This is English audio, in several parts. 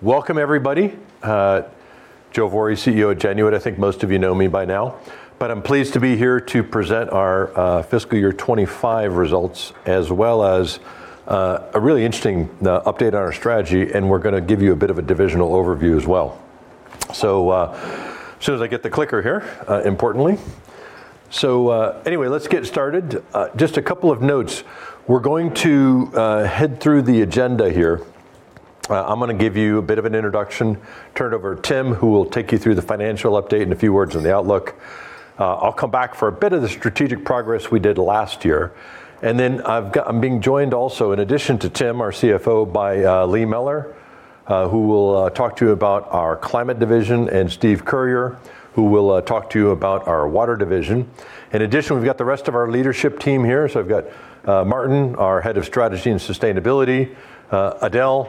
Welcome everybody. Joe Vorih, CEO of Genuit. I think most of you know me by now, but I'm pleased to be here to present our fiscal year 25 results, as well as a really interesting update on our strategy, and we're gonna give you a bit of a divisional overview as well. Anyway, let's get started. Just a couple of notes. We're going to head through the agenda here. I'm gonna give you a bit of an introduction, turn it over to Tim, who will take you through the financial update and a few words on the outlook. I'll come back for a bit of the strategic progress we did last year. I'm being joined also, in addition to Tim, our CFO, by Lee Mellor, who will talk to you about our climate division, and Steve Currier, who will talk to you about our water division. In addition, we've got the rest of our leadership team here. I've got Martin, our head of strategy and sustainability, Edel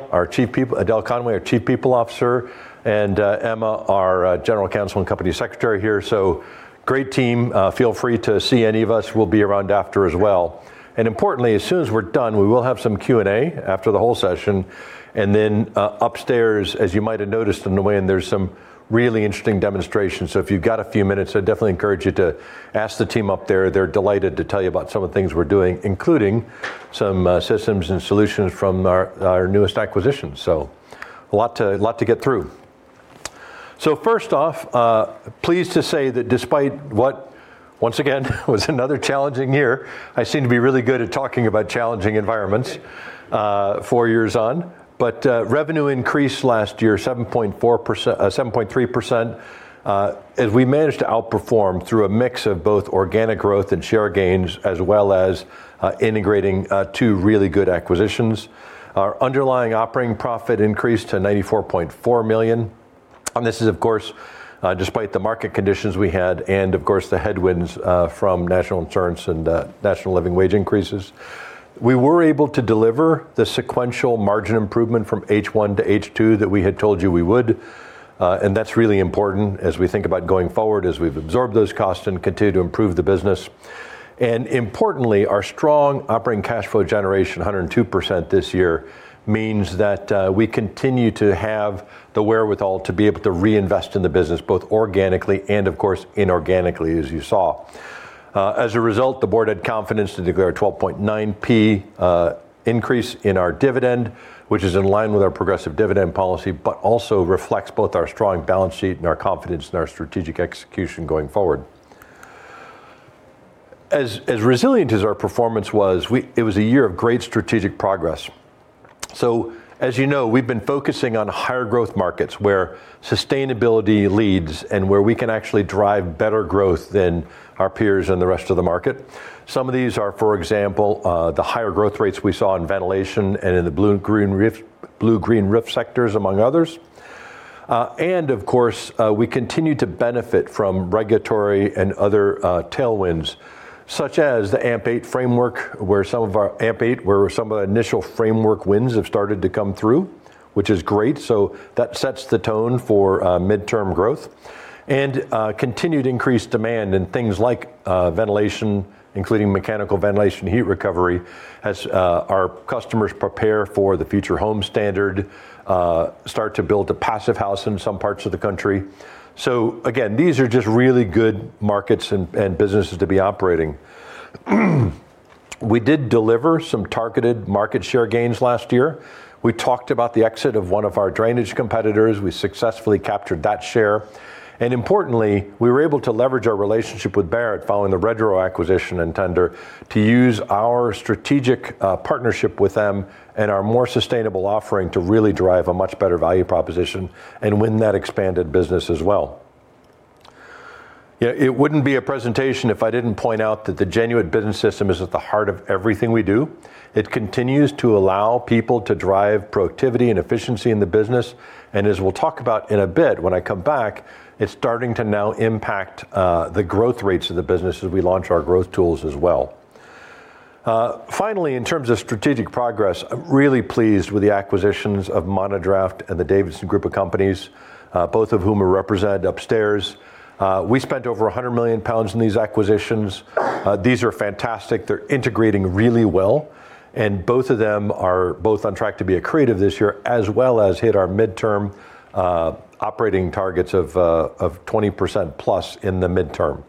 Conway, our Chief People Officer, and Emma, our general counsel and company secretary here. Great team. Feel free to see any of us. We'll be around after as well. Importantly, as soon as we're done, we will have some Q&A after the whole session, and then upstairs, as you might have noticed on the way in, there's some really interesting demonstrations. If you've got a few minutes, I definitely encourage you to ask the team up there. They're delighted to tell you about some of the things we're doing, including some systems and solutions from our newest acquisition. A lot to get through. First off, pleased to say that despite what once again was another challenging year, I seem to be really good at talking about challenging environments four years on. Revenue increased last year 7.4%—7.3%, as we managed to outperform through a mix of both organic growth and share gains, as well as integrating two really good acquisitions. Our underlying operating profit increased to 94.4 million. This is, of course, despite the market conditions we had and of course, the headwinds from national insurance and national living wage increases. We were able to deliver the sequential margin improvement from H1 to H2 that we had told you we would. That's really important as we think about going forward, as we've absorbed those costs and continue to improve the business. Importantly, our strong operating cash flow generation, 102% this year, means that we continue to have the wherewithal to be able to reinvest in the business, both organically and of course, inorganically, as you saw. As a result, the board had confidence to declare a 12.9p increase in our dividend, which is in line with our progressive dividend policy, but also reflects both our strong balance sheet and our confidence in our strategic execution going forward. As resilient as our performance was, it was a year of great strategic progress. As you know, we've been focusing on higher growth markets where sustainability leads and where we can actually drive better growth than our peers in the rest of the market. Some of these are, for example, the higher growth rates we saw in ventilation and in the blue-green roof sectors, among others. Of course, we continue to benefit from regulatory and other tailwinds, such as the AMP8 framework, where some of the initial framework wins have started to come through, which is great. That sets the tone for midterm growth and continued increased demand in things like ventilation, including mechanical ventilation heat recovery as our customers prepare for the Future Homes Standard, start to build a Passivhaus in some parts of the country. These are just really good markets and businesses to be operating. We did deliver some targeted market share gains last year. We talked about the exit of one of our drainage competitors. We successfully captured that share, and importantly, we were able to leverage our relationship with Barratt following the Redrow acquisition and tender to use our strategic partnership with them and our more sustainable offering to really drive a much better value proposition and win that expanded business as well. It wouldn't be a presentation if I didn't point out that the Genuit Business System is at the heart of everything we do. It continues to allow people to drive productivity and efficiency in the business, and as we'll talk about in a bit when I come back, it's starting to now impact the growth rates of the business as we launch our growth tools as well. Finally, in terms of strategic progress, I'm really pleased with the acquisitions of Monodraught and the Davidson Holdings companies, both of whom are represented upstairs. We spent over 100 million pounds on these acquisitions. These are fantastic. They're integrating really well, and both of them are on track to be accretive this year, as well as hit our midterm operating targets of 20% plus in the midterm.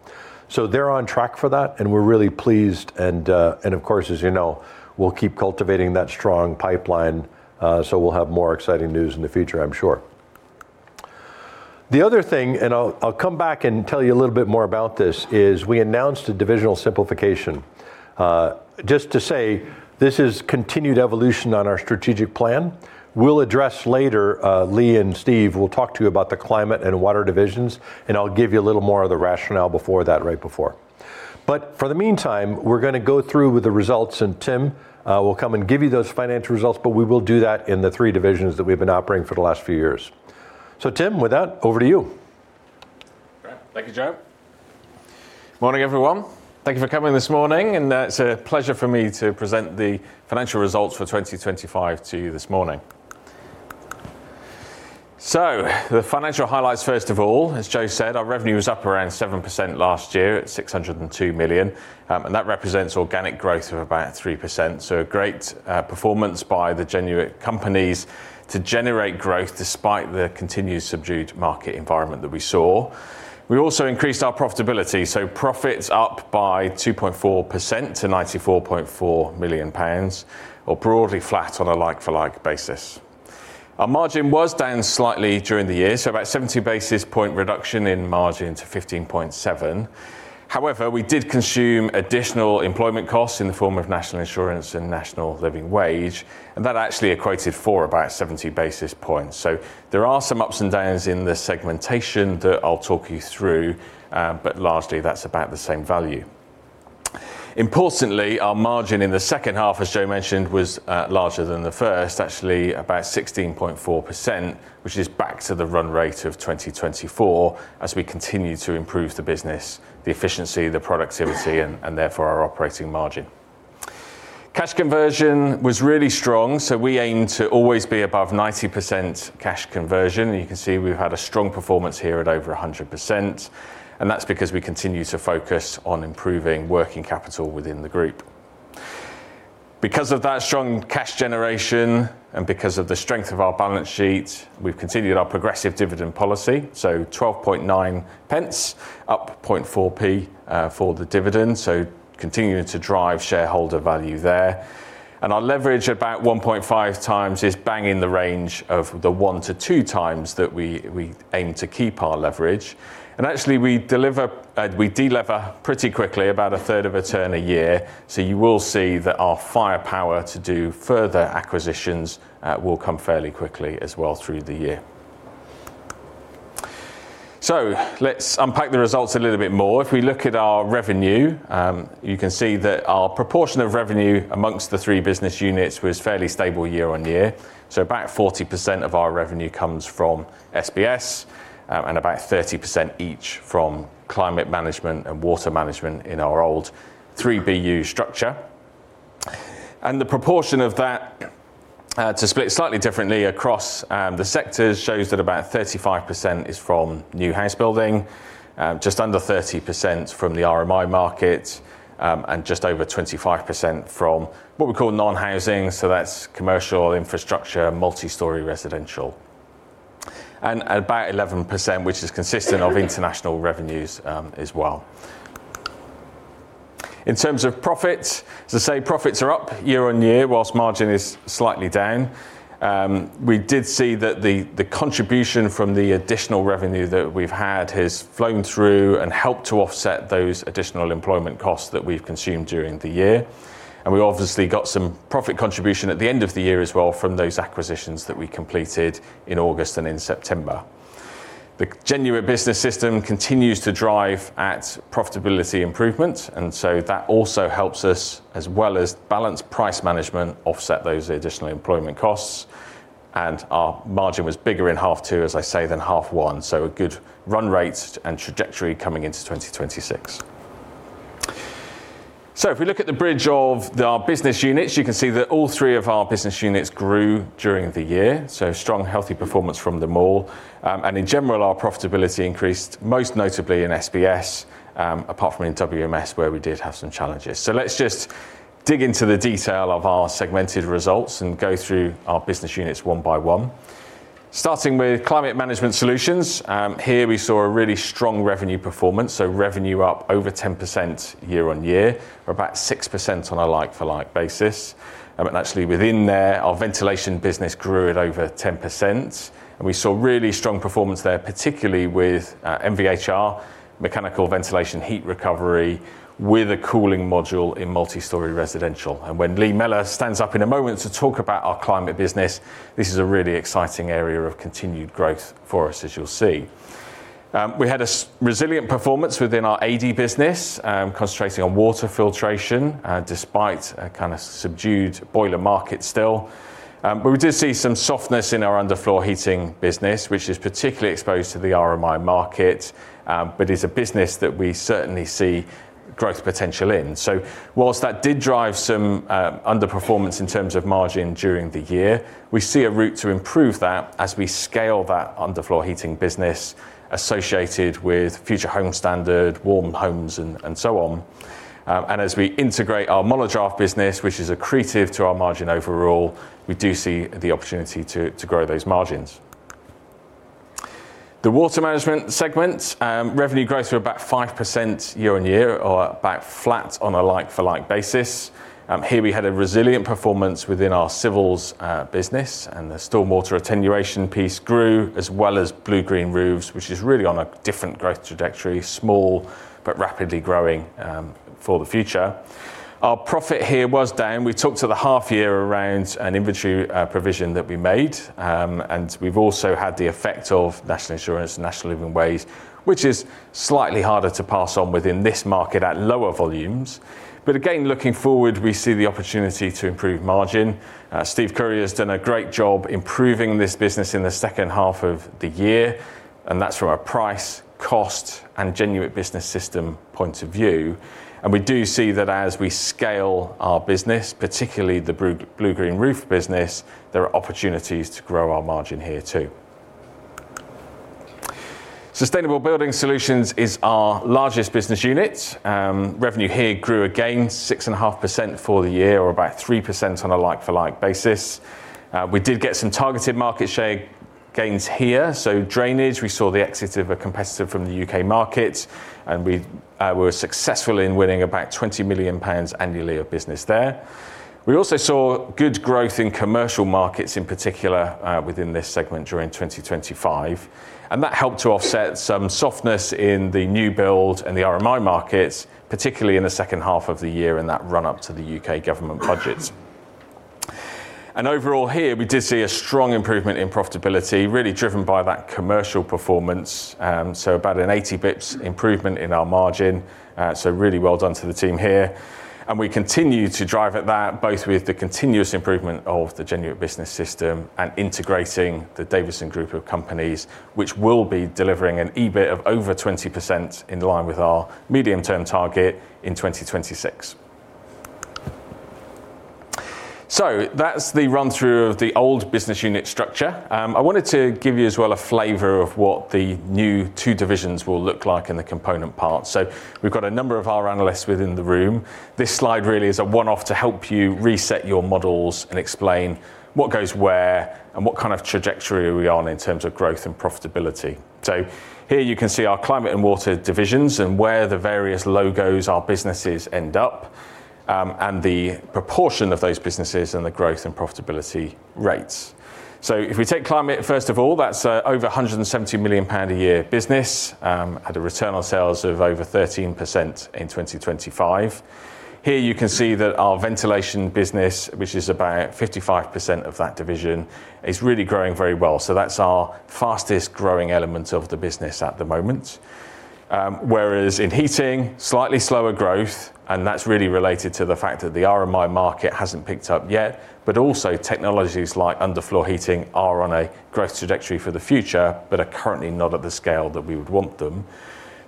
They're on track for that, and we're really pleased and, of course, as you know, we'll keep cultivating that strong pipeline, so we'll have more exciting news in the future, I'm sure. The other thing, and I'll come back and tell you a little bit more about this, is we announced a divisional simplification. Just to say this is continued evolution on our strategic plan. We'll address later. Lee and Steve will talk to you about the climate and water divisions, and I'll give you a little more of the rationale before that right before. For the meantime, we're gonna go through with the results, and Tim will come and give you those financial results, but we will do that in the three divisions that we've been operating for the last few years. Tim, with that, over to you. Great. Thank you, Joe. Morning, everyone. Thank you for coming this morning. It's a pleasure for me to present the financial results for 2025 to you this morning. The financial highlights first of all, as Joe said, our revenue was up around 7% last year at 602 million. And that represents organic growth of about 3%. A great performance by the Genuit companies to generate growth despite the continued subdued market environment that we saw. We also increased our profitability, profits up by 2.4% to 94.4 million pounds, or broadly flat on a like-for-like basis. Our margin was down slightly during the year, about 70 basis points reduction in margin to 15.7%. However, we did consume additional employment costs in the form of national insurance and national living wage, and that actually accounted for about 70 basis points. There are some ups and downs in the segmentation that I'll talk you through, but largely that's about the same value. Importantly, our margin in the second half, as Joe mentioned, was larger than the first, actually about 16.4%, which is back to the run rate of 2024 as we continue to improve the business, the efficiency, the productivity, and therefore our operating margin. Cash conversion was really strong, so we aim to always be above 90% cash conversion. You can see we've had a strong performance here at over 100%, and that's because we continue to focus on improving working capital within the group. Because of that strong cash generation and because of the strength of our balance sheet, we've continued our progressive dividend policy. 0.129, up 0.004, for the dividend, continuing to drive shareholder value there. Our leverage about 1.5x is bang in the range of the 1x-2x that we aim to keep our leverage. Actually we delever pretty quickly, about a third of a turn a year. You will see that our firepower to do further acquisitions will come fairly quickly as well through the year. Let's unpack the results a little bit more. If we look at our revenue, you can see that our proportion of revenue among the three business units was fairly stable year-over-year. About 40% of our revenue comes from SBS, and about 30% each from climate management and water management in our old three BU structure. The proportion of that to split slightly differently across the sectors shows that about 35% is from new house building, just under 30% from the RMI market, and just over 25% from what we call non-housing, so that's commercial, infrastructure, multi-story residential. About 11%, which is consistent of international revenues, as well. In terms of profits, as I say, profits are up year-on-year, while margin is slightly down. We did see that the contribution from the additional revenue that we've had has flowed through and helped to offset those additional employment costs that we've incurred during the year. We obviously got some profit contribution at the end of the year as well from those acquisitions that we completed in August and in September. The Genuit Business System continues to drive profitability improvement, and that also helps us, as well as balanced price management, offset those additional employment costs. Our margin was bigger in half two, as I say, than half one, so a good run rate and trajectory coming into 2026. If we look at the bridge of our business units, you can see that all three of our business units grew during the year, so strong, healthy performance from them all. In general, our profitability increased, most notably in SBS, apart from in WMS, where we did have some challenges. Let's just dig into the detail of our segmented results and go through our business units one by one. Starting with Climate Management Solutions, here we saw a really strong revenue performance, so revenue up over 10% year-over-year, or about 6% on a like-for-like basis. Actually within there, our ventilation business grew at over 10%. We saw really strong performance there, particularly with MVHR, mechanical ventilation heat recovery, with a cooling module in multi-story residential. When Lee Mellor stands up in a moment to talk about our climate business, this is a really exciting area of continued growth for us, as you'll see. We had a resilient performance within our AD business, concentrating on water filtration, despite a kinda subdued boiler market still. We did see some softness in our underfloor heating business, which is particularly exposed to the RMI market, but is a business that we certainly see growth potential in. Whilst that did drive some underperformance in terms of margin during the year, we see a route to improve that as we scale that underfloor heating business associated with Future Homes Standard, Warm Homes Plan, and so on. As we integrate our Monodraught business, which is accretive to our margin overall, we do see the opportunity to grow those margins. The Water Management segment, revenue growth of about 5% year-on-year or about flat on a like-for-like basis. Here we had a resilient performance within our civils business, and the stormwater attenuation piece grew, as well as blue-green roofs, which is really on a different growth trajectory, small but rapidly growing, for the future. Our profit here was down. We talked at the half year around an inventory, provision that we made, and we've also had the effect of national insurance and national living wage, which is slightly harder to pass on within this market at lower volumes. Again, looking forward, we see the opportunity to improve margin. Steve Currier has done a great job improving this business in the second half of the year, and that's from a price, cost, and Genuit Business System point of view. We do see that as we scale our business, particularly the blue-green roof business, there are opportunities to grow our margin here too. Sustainable Building Solutions is our largest business unit. Revenue here grew again 6.5% for the year, or about 3% on a like-for-like basis. We did get some targeted market share gains here. Drainage, we saw the exit of a competitor from the UK market, and we were successful in winning about 20 million pounds annually of business there. We also saw good growth in commercial markets, in particular, within this segment during 2025, and that helped to offset some softness in the new build and the RMI markets, particularly in the second half of the year in that run-up to the UK government budgets. Overall here, we did see a strong improvement in profitability, really driven by that commercial performance. About an 80-basis points improvement in our margin. Really well done to the team here. We continue to drive at that both with the continuous improvement of the Genuit Business System and integrating the Davidson group of companies, which will be delivering an EBIT of over 20% in line with our medium-term target in 2026. That's the run through of the old business unit structure. I wanted to give you as well a flavor of what the new two divisions will look like in the component parts. We've got a number of our analysts within the room. This slide really is a one-off to help you reset your models and explain what goes where and what kind of trajectory are we on in terms of growth and profitability. Here you can see our climate and water divisions and where the various logos, our businesses end up, and the proportion of those businesses and the growth and profitability rates. If we take climate, first of all, that's over 170 million pound a year business, at a return on sales of over 13% in 2025. Here you can see that our ventilation business, which is about 55% of that division, is really growing very well. That's our fastest-growing element of the business at the moment. Whereas in heating, slightly slower growth, and that's really related to the fact that the RMI market hasn't picked up yet. Also technologies like underfloor heating are on a growth trajectory for the future, but are currently not at the scale that we would want them.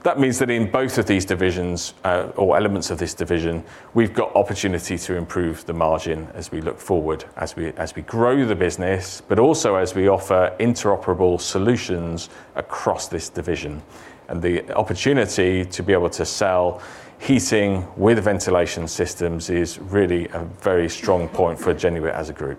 That means that in both of these divisions, or elements of this division, we've got opportunity to improve the margin as we look forward, as we grow the business, but also as we offer interoperable solutions across this division. The opportunity to be able to sell heating with ventilation systems is really a very strong point for Genuit as a group.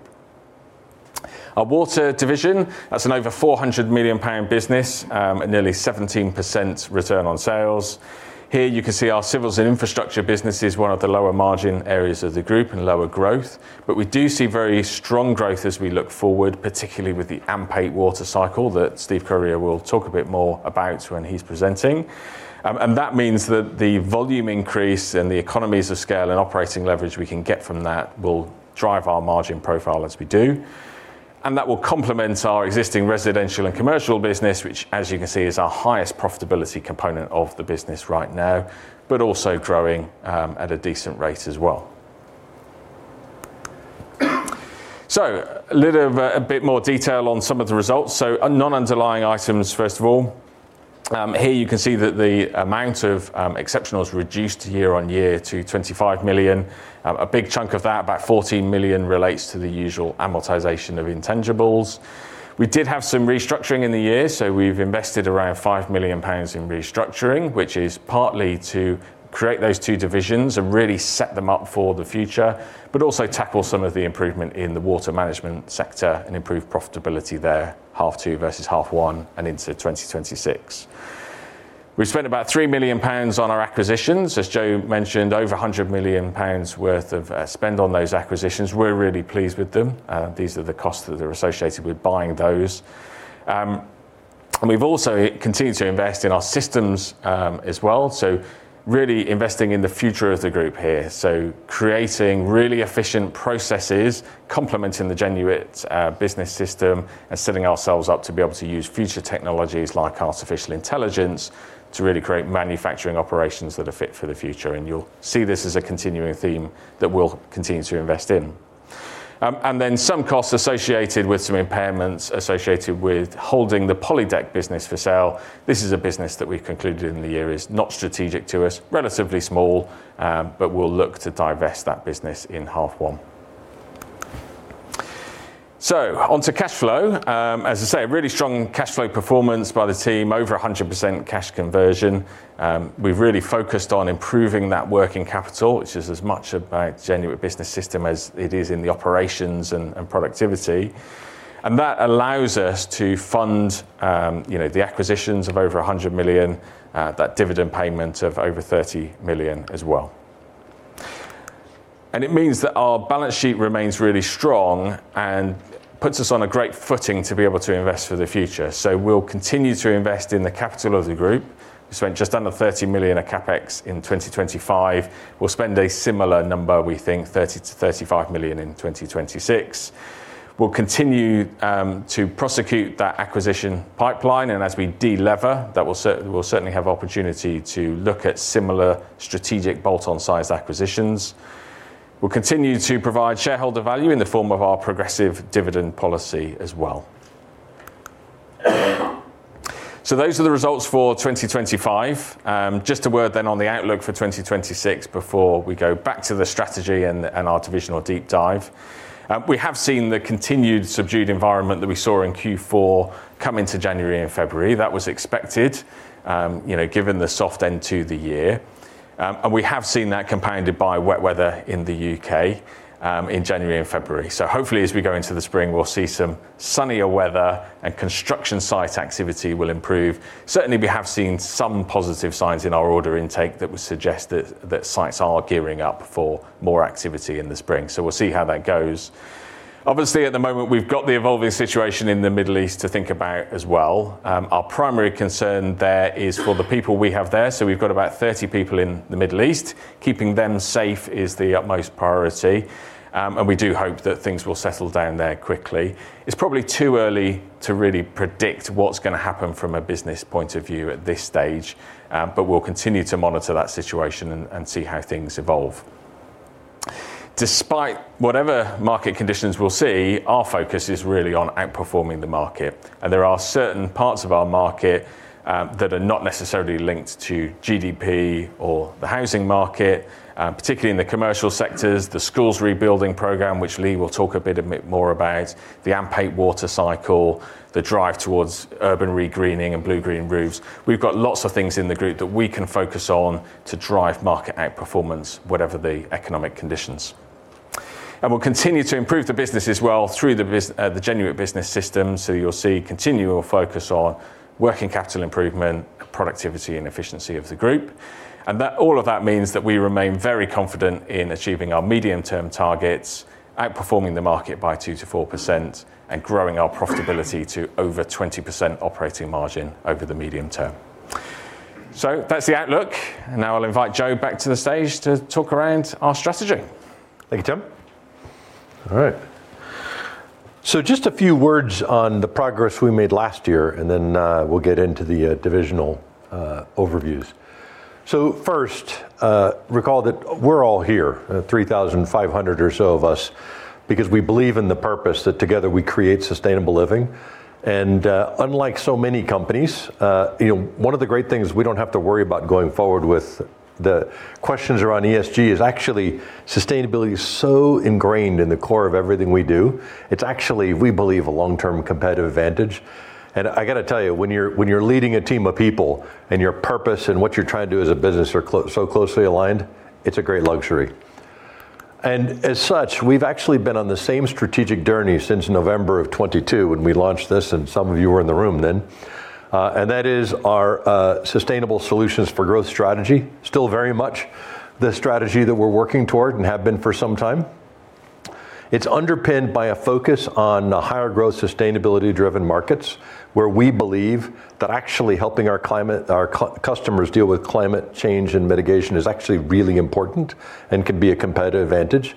Our water division, that's an over 400 million pound business at nearly 17% return on sales. Here you can see our civils and infrastructure business is one of the lower margin areas of the group and lower growth. We do see very strong growth as we look forward, particularly with the AMP8 water cycle that Steve Currier will talk a bit more about when he's presenting. That means that the volume increase and the economies of scale and operating leverage we can get from that will drive our margin profile as we do. That will complement our existing residential and commercial business, which as you can see is our highest profitability component of the business right now, but also growing at a decent rate as well. A bit more detail on some of the results. Non-underlying items, first of all. Here you can see that the amount of exceptionals reduced year-over-year to 25 million. A big chunk of that, about 14 million, relates to the usual amortization of intangibles. We did have some restructuring in the year, so we've invested around 5 million pounds in restructuring, which is partly to create those two divisions and really set them up for the future. Also tackle some of the improvement in the water management sector and improve profitability there, half two versus half one and into 2026. We spent about 3 million pounds on our acquisitions. As Joe mentioned, over 100 million pounds worth of spend on those acquisitions. We're really pleased with them. These are the costs that are associated with buying those. We've also continued to invest in our systems as well. Really investing in the future of the group here. Creating really efficient processes, complementing the Genuit Business System and setting ourselves up to be able to use future technologies like artificial intelligence to really create manufacturing operations that are fit for the future. You'll see this as a continuing theme that we'll continue to invest in. Some costs associated with some impairments associated with holding the Polydeck business for sale. This is a business that we've concluded in the year is not strategic to us, relatively small, but we'll look to divest that business in H1. On to cash flow. As I say, a really strong cash flow performance by the team, over 100% cash conversion. We've really focused on improving that working capital, which is as much about Genuit Business System as it is in the operations and productivity. That allows us to fund, you know, the acquisitions of over 100 million, that dividend payment of over 30 million as well. It means that our balance sheet remains really strong and puts us on a great footing to be able to invest for the future. We'll continue to invest in the capital of the group. We spent just under 30 million of CapEx in 2025. We'll spend a similar number, we think 30-35 million in 2026. We'll continue to prosecute that acquisition pipeline, and as we de-lever, we'll certainly have opportunity to look at similar strategic bolt-on size acquisitions. We'll continue to provide shareholder value in the form of our progressive dividend policy as well. Those are the results for 2025. Just a word then on the outlook for 2026 before we go back to the strategy and our divisional deep dive. We have seen the continued subdued environment that we saw in Q4 come into January and February. That was expected, you know, given the soft end to the year. We have seen that compounded by wet weather in the U.K. in January and February. Hopefully as we go into the spring, we'll see some sunnier weather and construction site activity will improve. Certainly, we have seen some positive signs in our order intake that would suggest that sites are gearing up for more activity in the spring. We'll see how that goes. Obviously, at the moment, we've got the evolving situation in the Middle East to think about as well. Our primary concern there is for the people we have there. We've got about 30 people in the Middle East. Keeping them safe is the utmost priority, and we do hope that things will settle down there quickly. It's probably too early to really predict what's gonna happen from a business point of view at this stage, but we'll continue to monitor that situation and see how things evolve. Despite whatever market conditions we'll see, our focus is really on outperforming the market. There are certain parts of our market that are not necessarily linked to GDP or the housing market, particularly in the commercial sectors, the schools rebuilding program, which Lee will talk a bit more about, the AMP8 water cycle, the drive towards urban regreening and blue-green roofs. We've got lots of things in the group that we can focus on to drive market outperformance, whatever the economic conditions. We'll continue to improve the business as well through the Genuit Business System. You'll see continual focus on working capital improvement, productivity, and efficiency of the group. That all of that means that we remain very confident in achieving our medium-term targets, outperforming the market by 2%-4%, and growing our profitability to over 20% operating margin over the medium term. That's the outlook. Now I'll invite Joe back to the stage to talk around our strategy. Thank you, Tim. All right. Just a few words on the progress we made last year, and then we'll get into the divisional overviews. First, recall that we're all here, 3,500 or so of us, because we believe in the purpose that together we create sustainable living. Unlike so many companies, you know, one of the great things we don't have to worry about going forward with the questions around ESG is actually sustainability is so ingrained in the core of everything we do. It's actually, we believe, a long-term competitive advantage. I gotta tell you, when you're leading a team of people and your purpose and what you're trying to do as a business are closely aligned, it's a great luxury. As such, we've actually been on the same strategic journey since November 2022 when we launched this, and some of you were in the room then, and that is our sustainable solutions for growth strategy. Still very much the strategy that we're working toward and have been for some time. It's underpinned by a focus on higher growth, sustainability-driven markets, where we believe that actually helping our customers deal with climate change and mitigation is actually really important and can be a competitive advantage.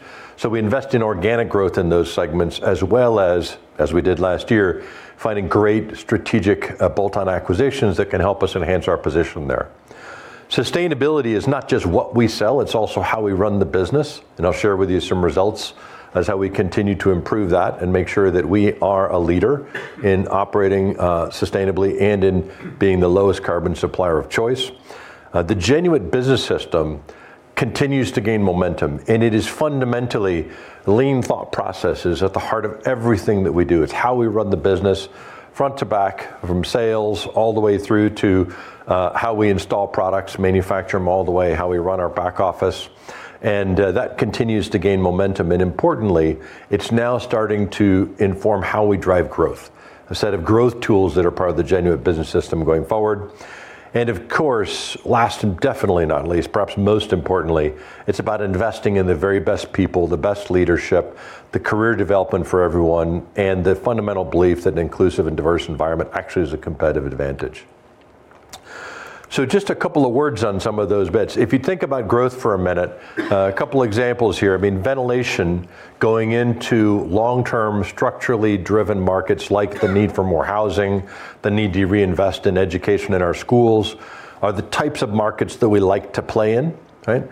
We invest in organic growth in those segments as well as we did last year, finding great strategic, bolt-on acquisitions that can help us enhance our position there. Sustainability is not just what we sell, it's also how we run the business, and I'll share with you some results on how we continue to improve that and make sure that we are a leader in operating sustainably and in being the lowest carbon supplier of choice. The Genuit Business System continues to gain momentum, and it is fundamentally Lean thought processes at the heart of everything that we do. It's how we run the business front to back, from sales all the way through to how we install products, manufacture them all the way, how we run our back office, and that continues to gain momentum. Importantly, it's now starting to inform how we drive growth, a set of growth tools that are part of the Genuit Business System going forward. Of course, last and definitely not least, perhaps most importantly, it's about investing in the very best people, the best leadership, the career development for everyone, and the fundamental belief that an inclusive and diverse environment actually is a competitive advantage. Just a couple of words on some of those bits. If you think about growth for a minute, a couple examples here. I mean, ventilation going into long-term, structurally driven markets like the need for more housing, the need to reinvest in education in our schools are the types of markets that we like to play in, right?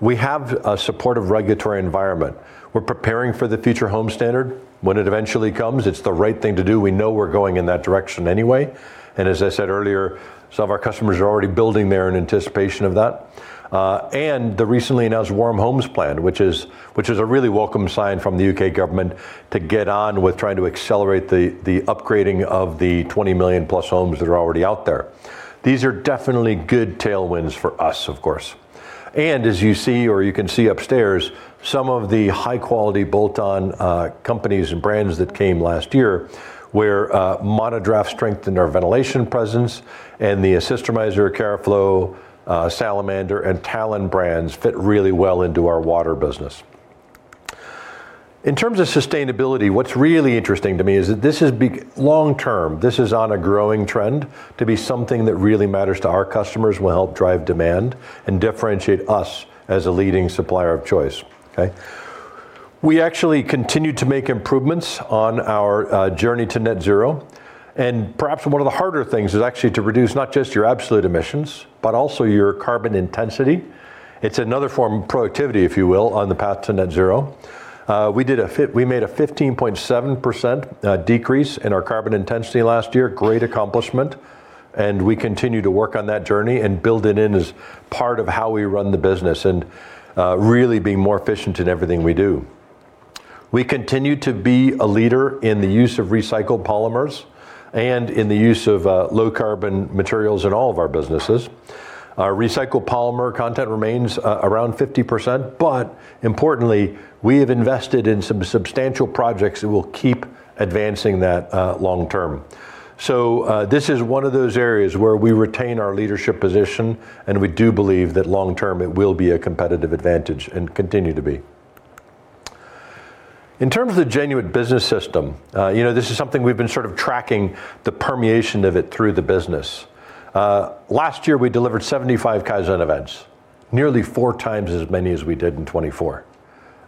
We have a supportive regulatory environment. We're preparing for the Future Homes Standard. When it eventually comes, it's the right thing to do. We know we're going in that direction anyway. As I said earlier, some of our customers are already building there in anticipation of that. The recently announced Warm Homes Plan, which is a really welcome sign from the UK government to get on with trying to accelerate the upgrading of the 20 million+ homes that are already out there. These are definitely good tailwinds for us, of course. As you see, or you can see upstairs, some of the high-quality bolt-on companies and brands that came last year, where Monodraught strengthened our ventilation presence and the Cistermiser, Keraflo, Salamander, and Talon brands fit really well into our water business. In terms of sustainability, what's really interesting to me is that this is long-term. This is on a growing trend to be something that really matters to our customers, will help drive demand, and differentiate us as a leading supplier of choice, okay. We actually continue to make improvements on our journey to net zero, and perhaps one of the harder things is actually to reduce not just your absolute emissions, but also your carbon intensity. It's another form of productivity, if you will, on the path to net zero. We made a 15.7% decrease in our carbon intensity last year, great accomplishment. We continue to work on that journey and build it in as part of how we run the business and really being more efficient in everything we do. We continue to be a leader in the use of recycled polymers and in the use of low carbon materials in all of our businesses. Our recycled polymer content remains around 50%, but importantly, we have invested in some substantial projects that will keep advancing that long term. This is one of those areas where we retain our leadership position and we do believe that long term it will be a competitive advantage and continue to be. In terms of the Genuit Business System, you know, this is something we've been sort of tracking the permeation of it through the business. Last year we delivered 75 Kaizen events, nearly four times as many as we did in 2024.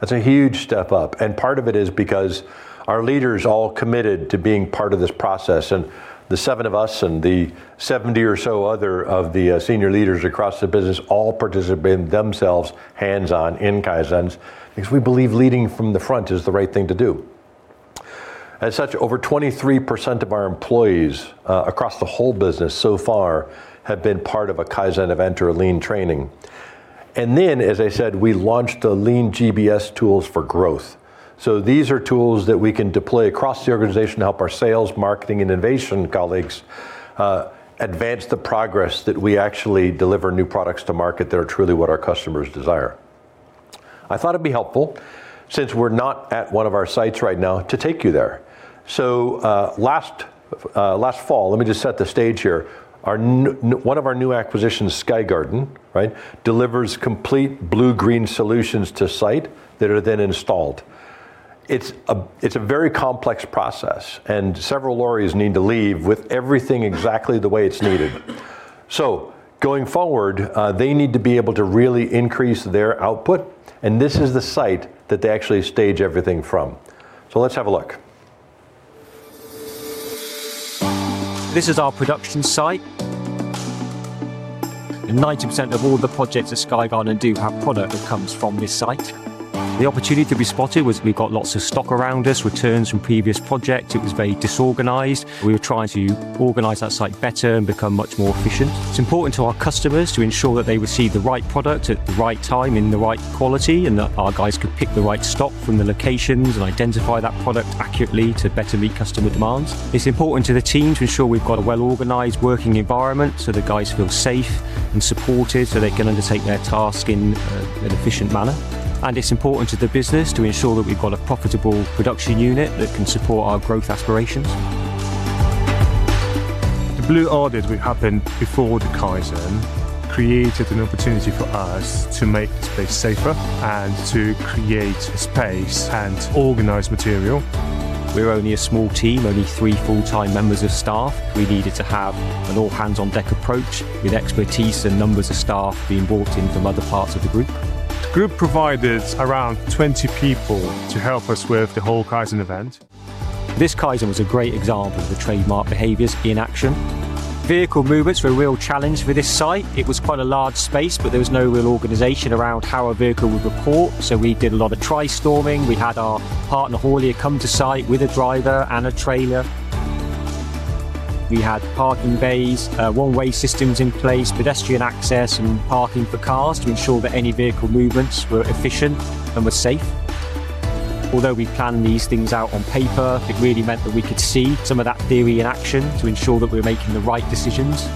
That's a huge step up, and part of it is because our leaders all committed to being part of this process and the seven of us and the 70 or so other of the, senior leaders across the business all participate themselves hands-on in Kaizens because we believe leading from the front is the right thing to do. As such, over 23% of our employees across the whole business so far have been part of a Kaizen event or a Lean training. Then, as I said, we launched the Lean GBS tools for growth. These are tools that we can deploy across the organization to help our sales, marketing, and innovation colleagues advance the progress that we actually deliver new products to market that are truly what our customers desire. I thought it'd be helpful, since we're not at one of our sites right now, to take you there. Last fall, let me just set the stage here. One of our new acquisitions, Sky Garden, right, delivers complete blue-green solutions to site that are then installed. It's a very complex process and several lorries need to leave with everything exactly the way it's needed. Going forward, they need to be able to really increase their output and this is the site that they actually stage everything from. Let's have a look. This is our production site. 90% of all the projects at Sky Garden do have product that comes from this site. The opportunity we spotted was we've got lots of stock around us, returns from previous projects. It was very disorganized. We were trying to organize that site better and become much more efficient. It's important to our customers to ensure that they receive the right product at the right time in the right quality, and that our guys can pick the right stock from the locations and identify that product accurately to better meet customer demands. It's important to the team to ensure we've got a well-organized working environment, so the guys feel safe and supported, so they can undertake their task in an efficient manner. It's important to the business to ensure that we've got a profitable production unit that can support our growth aspirations. The blue audit we had, before the Kaizen, created an opportunity for us to make the space safer and to create space and organize material. We're only a small team, only three full-time members of staff. We needed to have an all hands on deck approach with expertise and numbers of staff being brought in from other parts of the group. The group provided around 20 people to help us with the whole Kaizen event. This Kaizen was a great example of the trademark behaviors in action. Vehicle movements were a real challenge for this site. It was quite a large space, but there was no real organization around how a vehicle would report. We did a lot of brainstorming. We had our partner haulier come to site with a driver and a trailer. We had parking bays, one-way systems in place, pedestrian access and parking for cars to ensure that any vehicle movements were efficient and were safe. Although we planned these things out on paper, it really meant that we could see some of that theory in action to ensure that we were making the right decisions.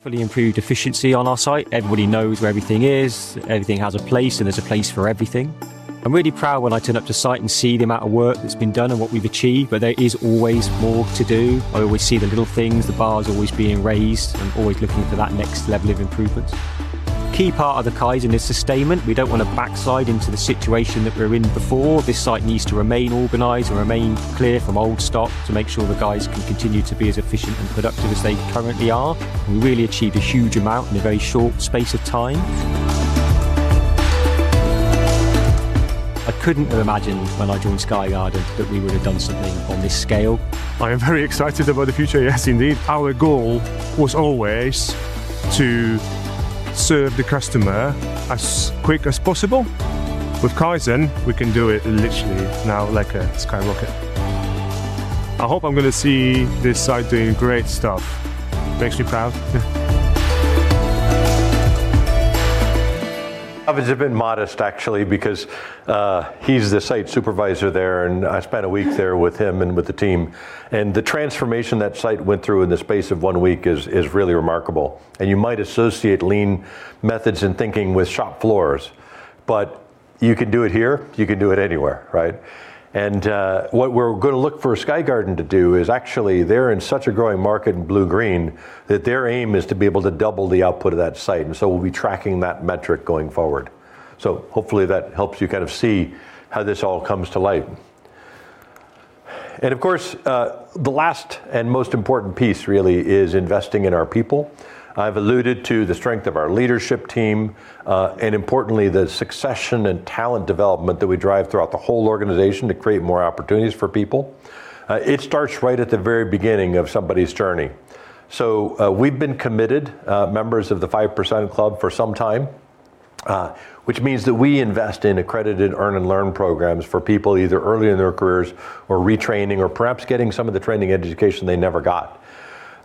Fully improved efficiency on our site. Everybody knows where everything is. Everything has a place, and there's a place for everything. I'm really proud when I turn up to site and see the amount of work that's been done and what we've achieved, but there is always more to do. I always see the little things, the bar's always being raised. I'm always looking for that next level of improvement. Key part of the Kaizen is sustainment. We don't want to backslide into the situation that we were in before. This site needs to remain organized and remain clear from old stock to make sure the guys can continue to be as efficient and productive as they currently are. We really achieved a huge amount in a very short space of time. I couldn't have imagined when I joined Sky Garden that we would have done something on this scale. I am very excited about the future. Yes, indeed. Our goal was always to serve the customer as quick as possible. With Kaizen, we can do it literally now like a skyrocket. I hope I'm gonna see this site doing great stuff. Makes me proud. He is a bit modest actually because he's the site supervisor there and I spent a week there with him and with the team, and the transformation that site went through in the space of one week is really remarkable. You might associate lean methods and thinking with shop floors, but you can do it here. You can do it anywhere, right? What we're gonna look for Sky Garden to do is actually they're in such a growing market in blue-green that their aim is to be able to double the output of that site. We'll be tracking that metric going forward. Hopefully that helps you kind of see how this all comes to light. Of course, the last and most important piece really is investing in our people. I've alluded to the strength of our leadership team, and importantly, the succession and talent development that we drive throughout the whole organization to create more opportunities for people. It starts right at the very beginning of somebody's journey. We've been committed members of the 5% Club for some time, which means that we invest in accredited earn and learn programs for people either early in their careers or retraining or perhaps getting some of the training and education they never got.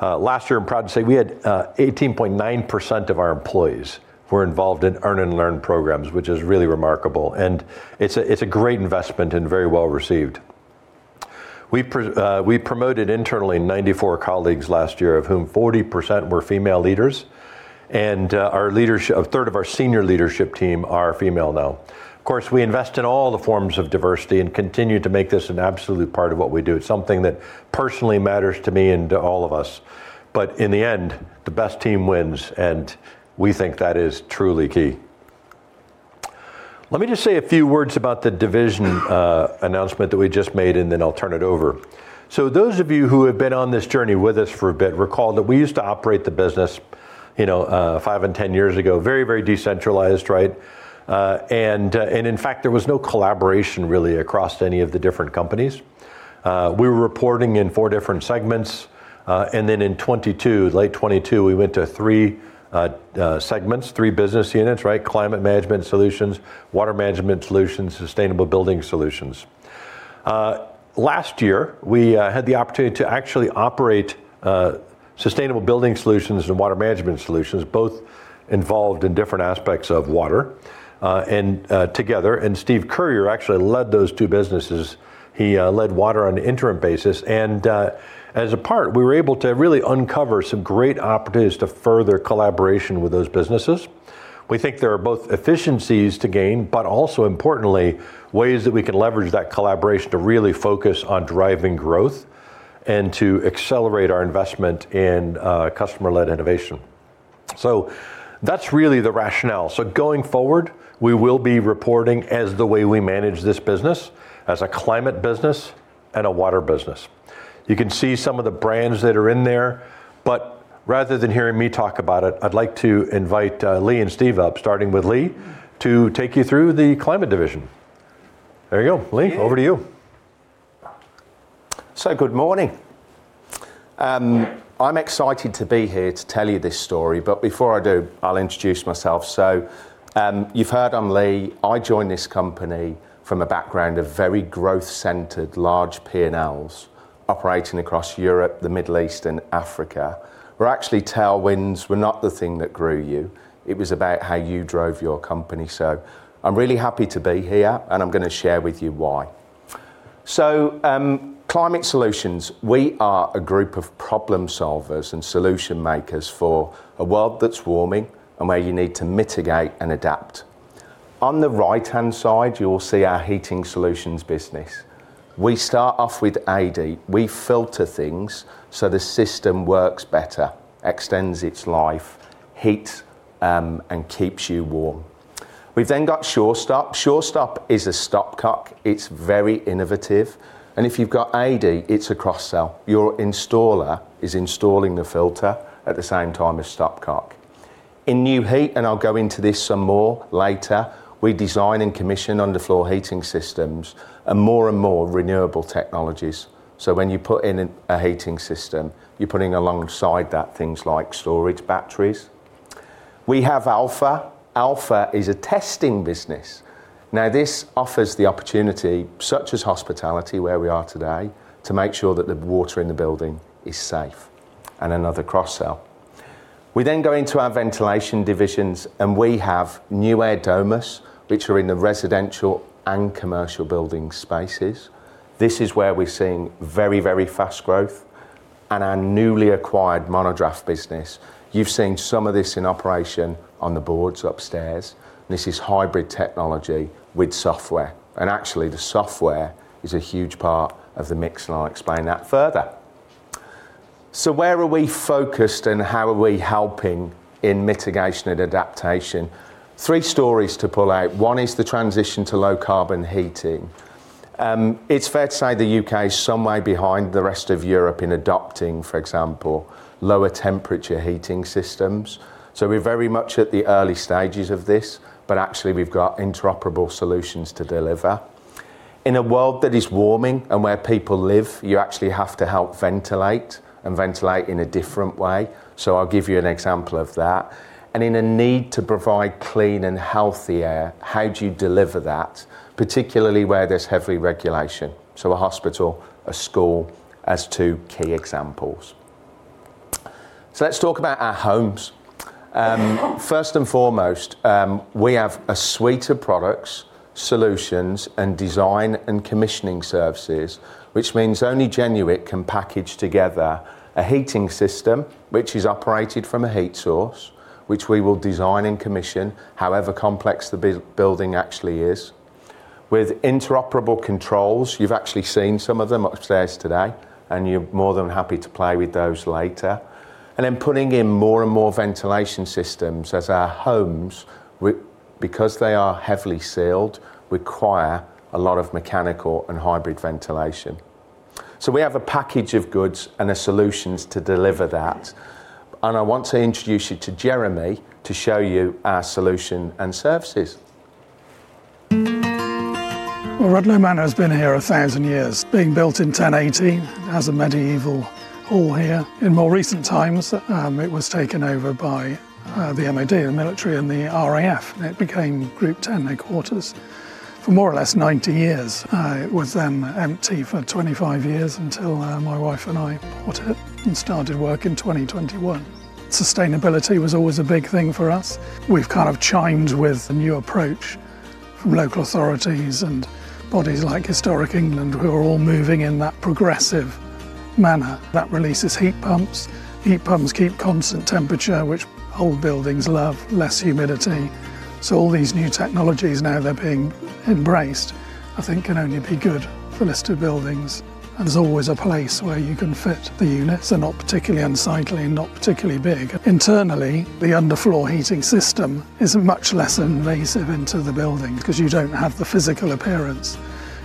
Last year, I'm proud to say we had 18.9% of our employees were involved in earn and learn programs, which is really remarkable, and it's a great investment and very well-received. We promoted internally 94 colleagues last year, of whom 40% were female leaders. Our leadership, a third of our senior leadership team are female now. Of course, we invest in all the forms of diversity and continue to make this an absolute part of what we do. It's something that personally matters to me and to all of us. In the end, the best team wins, and we think that is truly key. Let me just say a few words about the division announcement that we just made, and then I'll turn it over. Those of you who have been on this journey with us for a bit recall that we used to operate the business, you know, five and 10 years ago, very, very decentralized, right? In fact, there was no collaboration really across any of the different companies. We were reporting in four different segments. In 2022, late 2022, we went to three segments, three business units, right? Climate Management Solutions, Water Management Solutions, Sustainable Building Solutions. Last year, we had the opportunity to actually operate Sustainable Building Solutions and Water Management Solutions, both involved in different aspects of water and together. Steve Currier actually led those two businesses. He led Water on an interim basis. As a part, we were able to really uncover some great opportunities to further collaboration with those businesses. We think there are both efficiencies to gain, but also importantly, ways that we can leverage that collaboration to really focus on driving growth and to accelerate our investment in customer-led innovation. That's really the rationale. Going forward, we will be reporting as the way we manage this business as a climate business and a water business. You can see some of the brands that are in there, but rather than hearing me talk about it, I'd like to invite Lee and Steve up, starting with Lee, to take you through the climate division. There you go. Lee, over to you. Good morning. I'm excited to be here to tell you this story, but before I do, I'll introduce myself. You've heard I'm Lee. I joined this company from a background of very growth-centered large P&Ls operating across Europe, the Middle East, and Africa, where actually tailwinds were not the thing that grew you. It was about how you drove your company. I'm really happy to be here, and I'm gonna share with you why. Climate Management Solutions, we are a group of problem solvers and solution makers for a world that's warming and where you need to mitigate and adapt. On the right-hand side, you'll see our heating solutions business. We start off with Adey. We filter things so the system works better, extends its life, heats, and keeps you warm. We've then got Surestop. Surestop is a stopcock. It's very innovative, and if you've got Adey, it's a cross-sell. Your installer is installing the filter at the same time as stopcock. In Nu-Heat, and I'll go into this some more later, we design and commission underfloor heating systems and more and more renewable technologies. When you put in a heating system, you're putting alongside that things like storage batteries. We have Alpha. Alpha is a testing business. Now, this offers the opportunity, such as hospitality, where we are today, to make sure that the water in the building is safe and another cross-sell. We then go into our ventilation divisions, and we have Nuaire, Domus, which are in the residential and commercial building spaces. This is where we're seeing very, very fast growth in our newly acquired Monodraught business. You've seen some of this in operation on the boards upstairs. This is hybrid technology with software, and actually, the software is a huge part of the mix, and I'll explain that further. Where are we focused, and how are we helping in mitigation and adaptation? Three stories to pull out. One is the transition to low-carbon heating. It's fair to say the U.K. is some way behind the rest of Europe in adopting, for example, lower temperature heating systems. We're very much at the early stages of this, but actually, we've got interoperable solutions to deliver. In a world that is warming and where people live, you actually have to help ventilate and ventilate in a different way. I'll give you an example of that. There's a need to provide clean and healthy air, how do you deliver that, particularly where there's heavy regulation? A hospital, a school as two key examples. Let's talk about our homes. First and foremost, we have a suite of products, solutions, and design and commissioning services, which means only Genuit can package together a heating system which is operated from a heat source, which we will design and commission, however complex the building actually is, with interoperable controls. You've actually seen some of them upstairs today, and you're more than happy to play with those later. Then putting in more and more ventilation systems as our homes, because they are heavily sealed, require a lot of mechanical and hybrid ventilation. We have a package of goods and the solutions to deliver that. I want to introduce you to Jeremy to show you our solution and services. Well, Rudloe Manor has been here 1,000 years, being built in 1018. It has a medieval hall here. In more recent times, it was taken over by the MOD, the military, and the RAF, and it became Group Ten headquarters for more or less 90 years. It was then empty for 25 years until my wife and I bought it and started work in 2021. Sustainability was always a big thing for us. We've kind of chimed with the new approach from local authorities and bodies like Historic England, who are all moving in that progressive manner. That releases heat pumps. Heat pumps keep constant temperature, which old buildings love. Less humidity. All these new technologies, now they're being embraced, I think can only be good for listed buildings. There's always a place where you can fit the units. They're not particularly unsightly and not particularly big. Internally, the underfloor heating system is much less invasive into the buildings, 'cause you don't have the physical appearance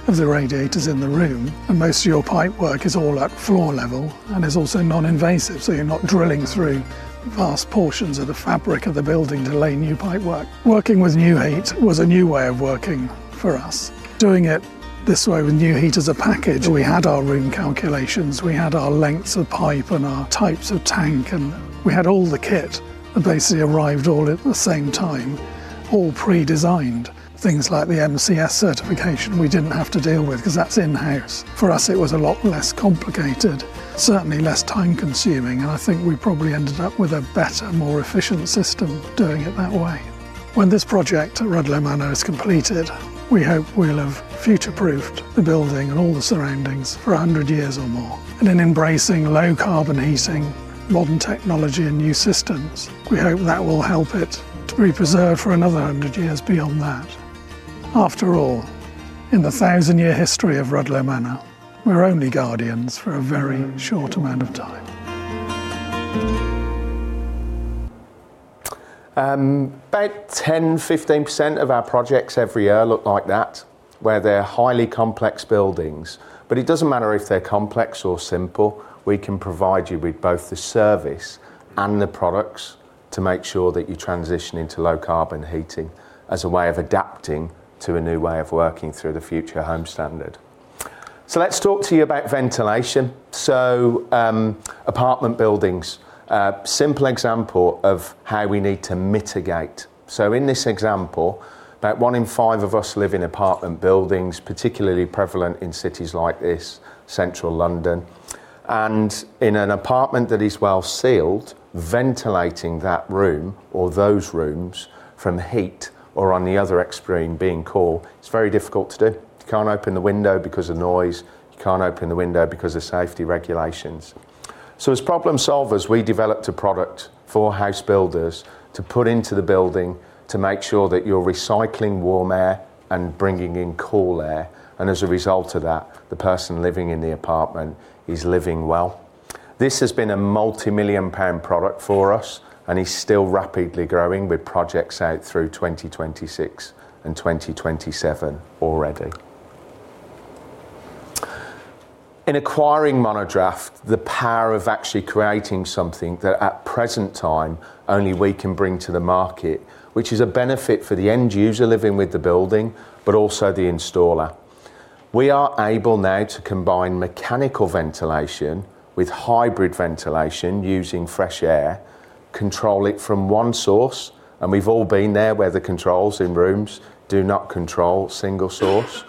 of the radiators in the room, and most of your pipework is all at floor level and is also non-invasive, so you're not drilling through vast portions of the fabric of the building to lay new pipework. Working with Nu-Heat was a new way of working for us. Doing it this way with Nu-Heat as a package, we had our room calculations, we had our lengths of pipe and our types of tank, and we had all the kit that basically arrived all at the same time, all pre-designed. Things like the MCS certification we didn't have to deal with, 'cause that's in-house. For us, it was a lot less complicated, certainly less time-consuming, and I think we probably ended up with a better, more efficient system doing it that way. When this project at Rudloe Manor is completed, we hope we'll have future-proofed the building and all the surroundings for 100 years or more. In embracing low-carbon heating, modern technology, and new systems, we hope that will help it to be preserved for another 100 years beyond that. After all, in the 1,000-year history of Rudloe Manor, we're only guardians for a very short amount of time. About 10%-15% of our projects every year look like that, where they're highly complex buildings. It doesn't matter if they're complex or simple, we can provide you with both the service and the products to make sure that you transition into low-carbon heating as a way of adapting to a new way of working through the Future Homes Standard. Let's talk to you about ventilation. Apartment buildings, a simple example of how we need to mitigate. In this example, about one in five of us live in apartment buildings, particularly prevalent in cities like this, Central London. In an apartment that is well-sealed, ventilating that room or those rooms from heat or on the other extreme, being cool, it's very difficult to do. You can't open the window because of noise. You can't open the window because of safety regulations. As problem solvers, we developed a product for house builders to put into the building to make sure that you're recycling warm air and bringing in cool air, and as a result of that, the person living in the apartment is living well. This has been a multi-million-pound product for us and is still rapidly growing with projects out through 2026 and 2027 already. In acquiring Monodraught, the power of actually creating something that at present time only we can bring to the market, which is a benefit for the end user living with the building but also the installer. We are able now to combine mechanical ventilation with hybrid ventilation using fresh air, control it from one source, and we've all been there, where the controls in rooms do not control single source.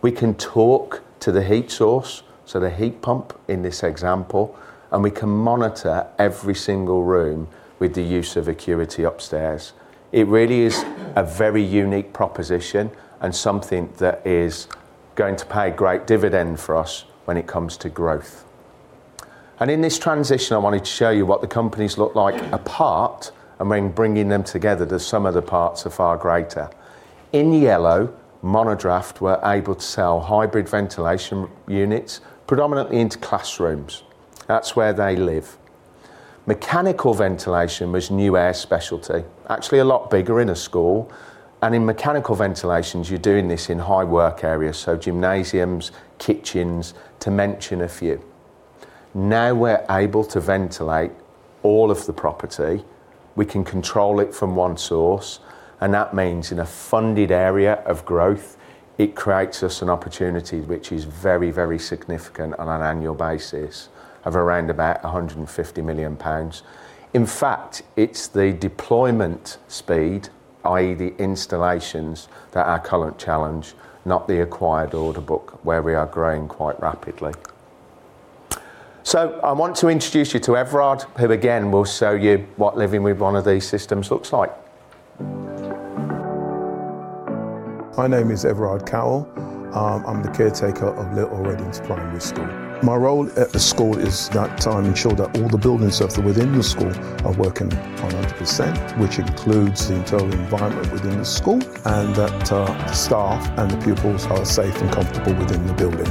We can talk to the heat source, so the heat pump in this example, and we can monitor every single room with the use of Acurity Upstairs. It really is a very unique proposition and something that is going to pay great dividend for us when it comes to growth. In this transition, I wanted to show you what the companies look like apart and when bringing them together, the sum of the parts are far greater. In yellow, Monodraught were able to sell hybrid ventilation units predominantly into classrooms. That's where they live. Mechanical ventilation was Nuaire's specialty, actually a lot bigger in a school. In mechanical ventilations, you're doing this in high work areas, so gymnasiums, kitchens to mention a few. Now we're able to ventilate all of the property. We can control it from one source, and that means in a funded area of growth, it creates us an opportunity which is very, very significant on an annual basis of around 150 million pounds. In fact, it's the deployment speed, i.e., the installations, that are our current challenge, not the acquired order book where we are growing quite rapidly. I want to introduce you to Everard, who again will show you what living with one of these systems looks like. My name is Everard Cowell. I'm the caretaker of Little Reddings Primary School. My role at the school is that I ensure that all the buildings that are within the school are working 100%, which includes the internal environment within the school, and that, the staff and the pupils are safe and comfortable within the building.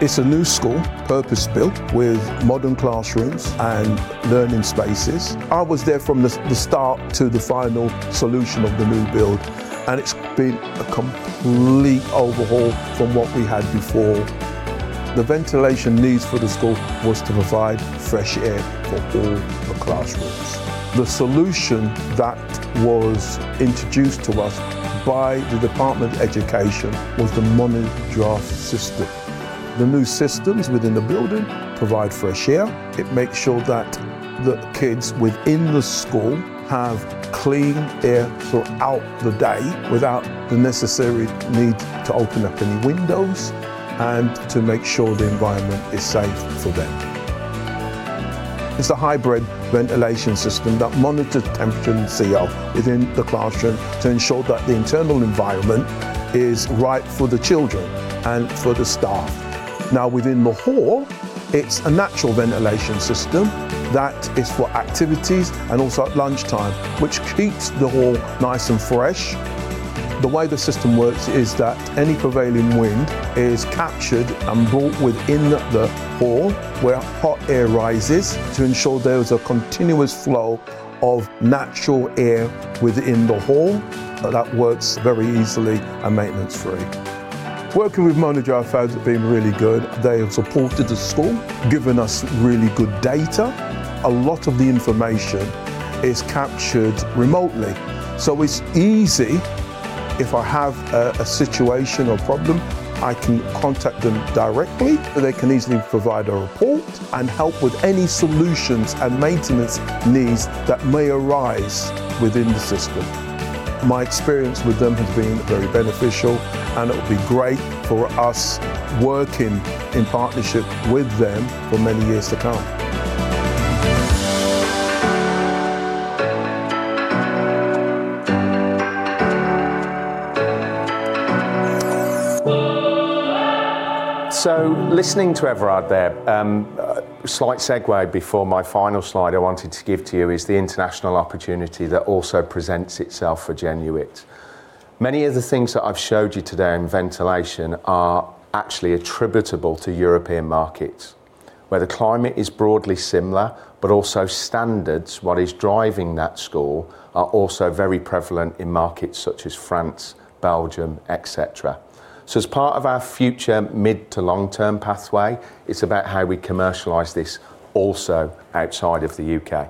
It's a new school, purpose-built, with modern classrooms and learning spaces. I was there from the start to the final solution of the new build, and it's been a complete overhaul from what we had before. The ventilation needs for the school was to provide fresh air for all the classrooms. The solution that was introduced to us by the Department for Education was the Monodraught system. The new systems within the building provide fresh air. It makes sure that the kids within the school have clean air throughout the day without the necessary need to open up any windows and to make sure the environment is safe for them. It's a hybrid ventilation system that monitors temperature and CO2 within the classroom to ensure that the internal environment is right for the children and for the staff. Now, within the hall, it's a natural ventilation system that is for activities and also at lunchtime, which keeps the hall nice and fresh. The way the system works is that any prevailing wind is captured and brought within the hall where hot air rises to ensure there is a continuous flow of natural air within the hall, and that works very easily and maintenance-free. Working with Monodraught has been really good. They have supported the school, given us really good data. A lot of the information is captured remotely, so it's easy. If I have a situation or problem, I can contact them directly, and they can easily provide a report and help with any solutions and maintenance needs that may arise within the system. My experience with them has been very beneficial, and it will be great for us working in partnership with them for many years to come. Listening to Everard there, a slight segue before my final slide I wanted to give to you is the international opportunity that also presents itself for Genuit. Many of the things that I've showed you today in ventilation are actually attributable to European markets, where the climate is broadly similar, but also standards, what is driving that score, are also very prevalent in markets such as France, Belgium, et cetera. As part of our future mid to long-term pathway, it's about how we commercialize this also outside of the U.K..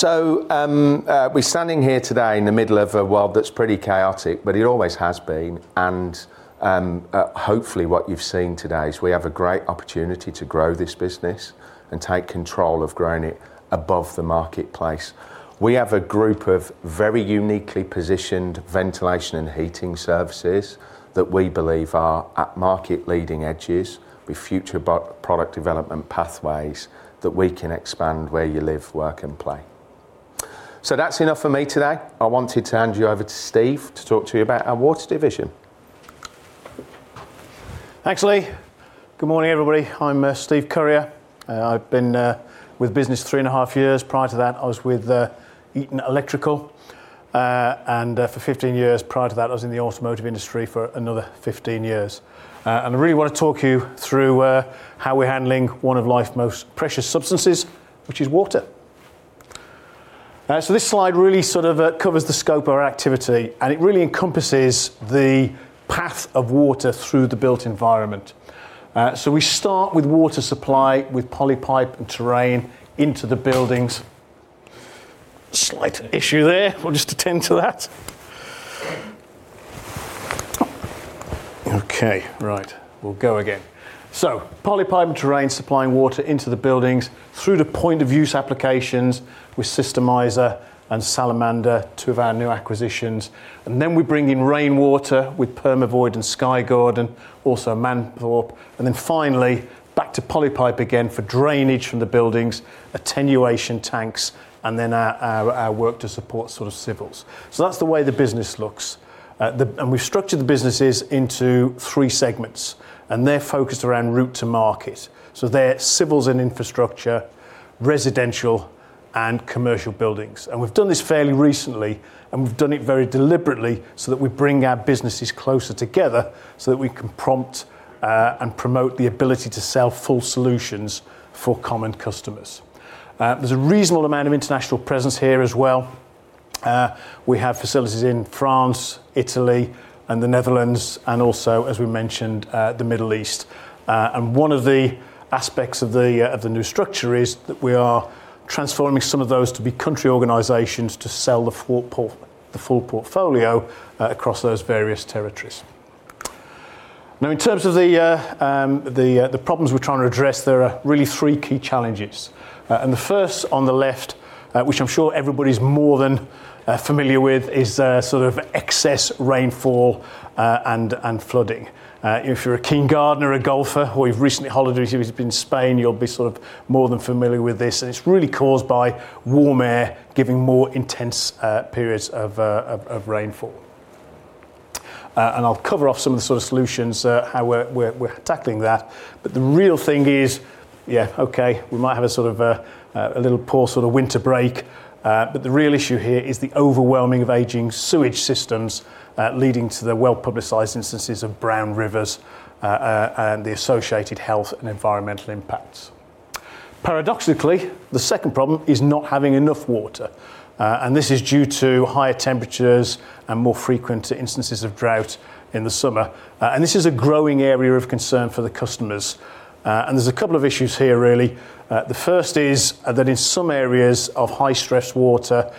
We're standing here today in the middle of a world that's pretty chaotic, but it always has been, and, hopefully what you've seen today is we have a great opportunity to grow this business and take control of growing it above the marketplace. We have a group of very uniquely positioned ventilation and heating services that we believe are at market leading edges with future product development pathways that we can expand where you live, work, and play. That's enough from me today. I wanted to hand you over to Steve to talk to you about our water division. Thanks, Lee. Good morning, everybody. I'm Steve Currier. I've been with the business 3.5 years. Prior to that, I was with Eaton Electrical, and for 15 years prior to that, I was in the automotive industry for another 15 years. I really wanna talk you through how we're handling one of life's most precious substances, which is water. This slide really sort of covers the scope of our activity, and it really encompasses the path of water through the built environment. We start with water supply with Polypipe and Terrain into the buildings. Slight issue there. We'll just attend to that. Okay. Right. We'll go again. Polypipe and Terrain supplying water into the buildings through the point of use applications with Cistermiser and Salamander, two of our new acquisitions. We bring in rainwater with Permavoid and Sky Garden, also Manthorpe. Finally, back to Polypipe again for drainage from the buildings, attenuation tanks, and then our work to support sort of civils. That's the way the business looks. We've structured the businesses into three segments, and they're focused around route to market. They're civils and infrastructure, residential, and commercial buildings. We've done this fairly recently, and we've done it very deliberately so that we bring our businesses closer together so that we can prompt and promote the ability to sell full solutions for common customers. There's a reasonable amount of international presence here as well. We have facilities in France, Italy, and the Netherlands, and also, as we mentioned, the Middle East. One of the aspects of the new structure is that we are transforming some of those to be country organizations to sell the full portfolio across those various territories. Now, in terms of the problems we're trying to address, there are really three key challenges. The first on the left, which I'm sure everybody's more than familiar with, is sort of excess rainfall and flooding. If you're a keen gardener, a golfer, or you've recently vacationed in Spain, you'll be sort of more than familiar with this. It's really caused by warm air giving more intense periods of rainfall. I'll cover off some of the sort of solutions, how we're tackling that. The real thing is. Yeah. Okay. We might have a sort of little poor sort of winter break. The real issue here is the overwhelming of aging sewage systems, leading to the well-publicized instances of brown rivers, and the associated health and environmental impacts. Paradoxically, the second problem is not having enough water. This is due to higher temperatures and more frequent instances of drought in the summer. This is a growing area of concern for the customers. There's a couple of issues here really. The first is that in some areas of high-stress water,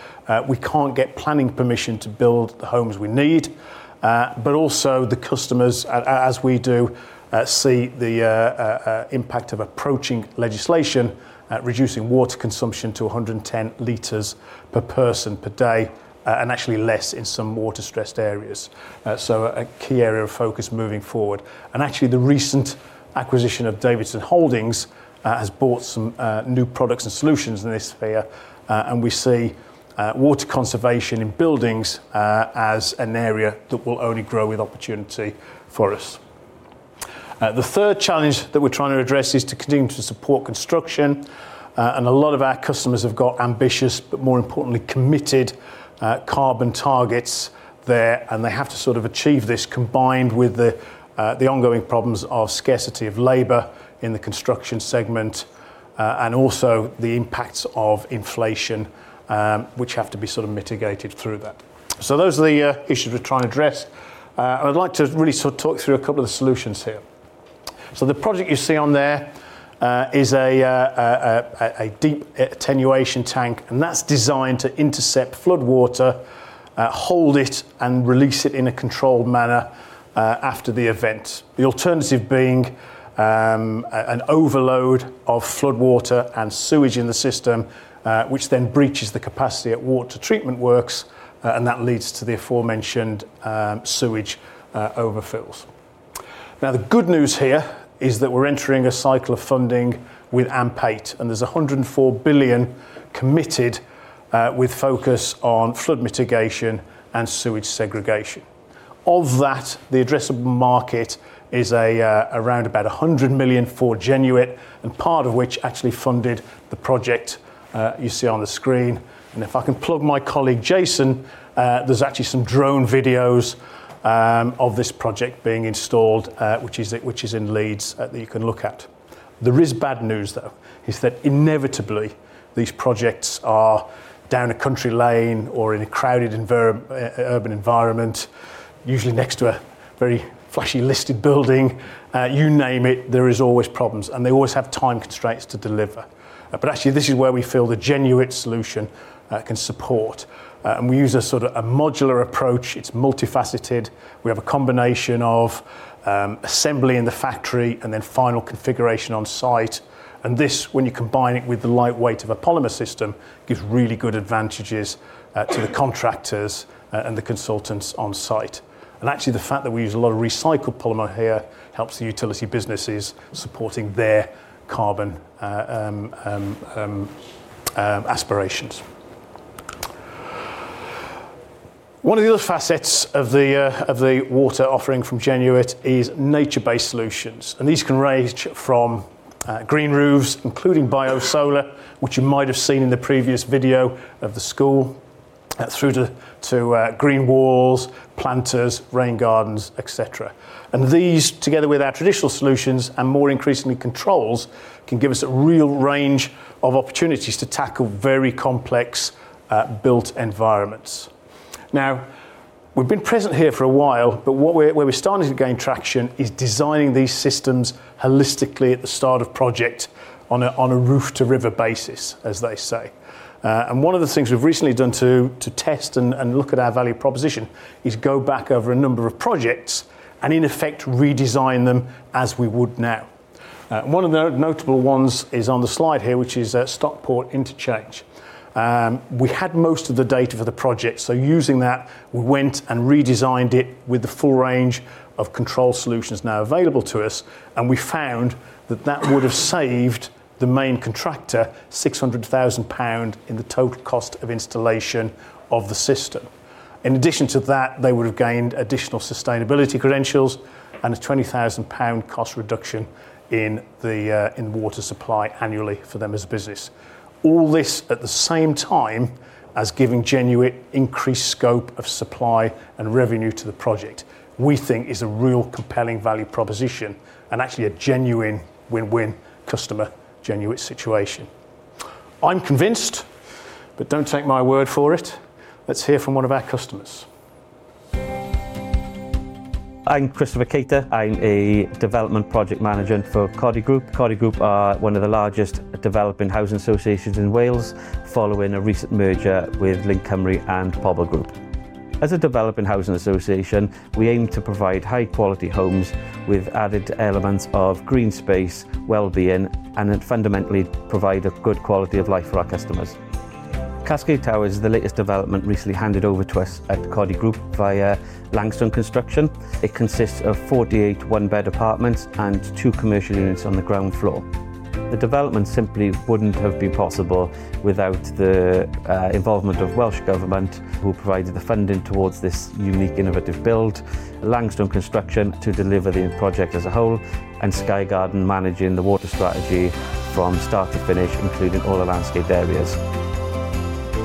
we can't get planning permission to build the homes we need. Also the customers as we do see the impact of approaching legislation at reducing water consumption to 110 liters per person per day, and actually less in some water-stressed areas. A key area of focus moving forward. Actually, the recent acquisition of Davidson Holdings has brought some new products and solutions in this sphere. We see water conservation in buildings as an area that will only grow with opportunity for us. The third challenge that we're trying to address is to continue to support construction, and a lot of our customers have got ambitious, but more importantly, committed, carbon targets there, and they have to sort of achieve this combined with the ongoing problems of scarcity of labor in the construction segment, and also the impacts of inflation, which have to be sort of mitigated through that. Those are the issues we're trying to address. I'd like to really sort of talk through a couple of the solutions here. The project you see on there is a deep attenuation tank, and that's designed to intercept floodwater, hold it, and release it in a controlled manner after the event. The alternative being, an overload of floodwater and sewage in the system, which then breaches the capacity at water treatment works, and that leads to the aforementioned sewage overfills. Now, the good news here is that we're entering a cycle of funding with AMP8, and there's 104 billion committed, with focus on flood mitigation and sewage segregation. Of that, the addressable market is around about 100 million for Genuit, and part of which actually funded the project you see on the screen. If I can plug my colleague, Jason, there's actually some drone videos of this project being installed, which is in Leeds that you can look at. There is bad news, though, is that inevitably these projects are down a country lane or in a crowded urban environment, usually next to a very flashy listed building. You name it, there is always problems, and they always have time constraints to deliver. Actually, this is where we feel the Genuit solution can support. We use a sort of a modular approach. It's multifaceted. We have a combination of assembly in the factory and then final configuration on site. This, when you combine it with the light weight of a polymer system, gives really good advantages to the contractors and the consultants on site. Actually, the fact that we use a lot of recycled polymer here helps the utility businesses supporting their carbon aspirations. One of the other facets of the water offering from Genuit is nature-based solutions, and these can range from green roofs, including BioSolar, which you might have seen in the previous video of the school, through to green walls, planters, rain gardens, et cetera. These, together with our traditional solutions and more increasingly controls, can give us a real range of opportunities to tackle very complex built environments. Now, we've been present here for a while, but where we're starting to gain traction is designing these systems holistically at the start of project on a roof to river basis, as they say. One of the things we've recently done to test and look at our value proposition is go back over a number of projects and in effect redesign them as we would now. One of the notable ones is on the slide here, which is at Stockport Interchange. We had most of the data for the project. Using that, we went and redesigned it with the full range of control solutions now available to us, and we found that that would have saved the main contractor 600,000 pound in the total cost of installation of the system. In addition to that, they would have gained additional sustainability credentials and a 20,000 pound cost reduction in the water supply annually for them as a business. All this at the same time as giving Genuit increased scope of supply and revenue to the project, we think is a real compelling value proposition and actually a genuine win-win customer Genuit situation. I'm convinced, but don't take my word for it. Let's hear from one of our customers. I'm Christopher Cater. I'm a development project manager for Codi Group. Codi Group are one of the largest developing housing associations in Wales, following a recent merger with Linc Cymru and Pobl Group. As a developing housing association, we aim to provide high-quality homes with added elements of green space, well-being, and then fundamentally provide a good quality of life for our customers. The Cascade is the latest development recently handed over to us at Codi Group via Langstone Construction. It consists of 48 one-bed apartments and two commercial units on the ground floor. The development simply wouldn't have been possible without the involvement of Welsh Government, who provided the funding towards this unique innovative build, Langstone Construction Group to deliver the project as a whole, and Sky Garden managing the water strategy from start to finish, including all the landscape areas.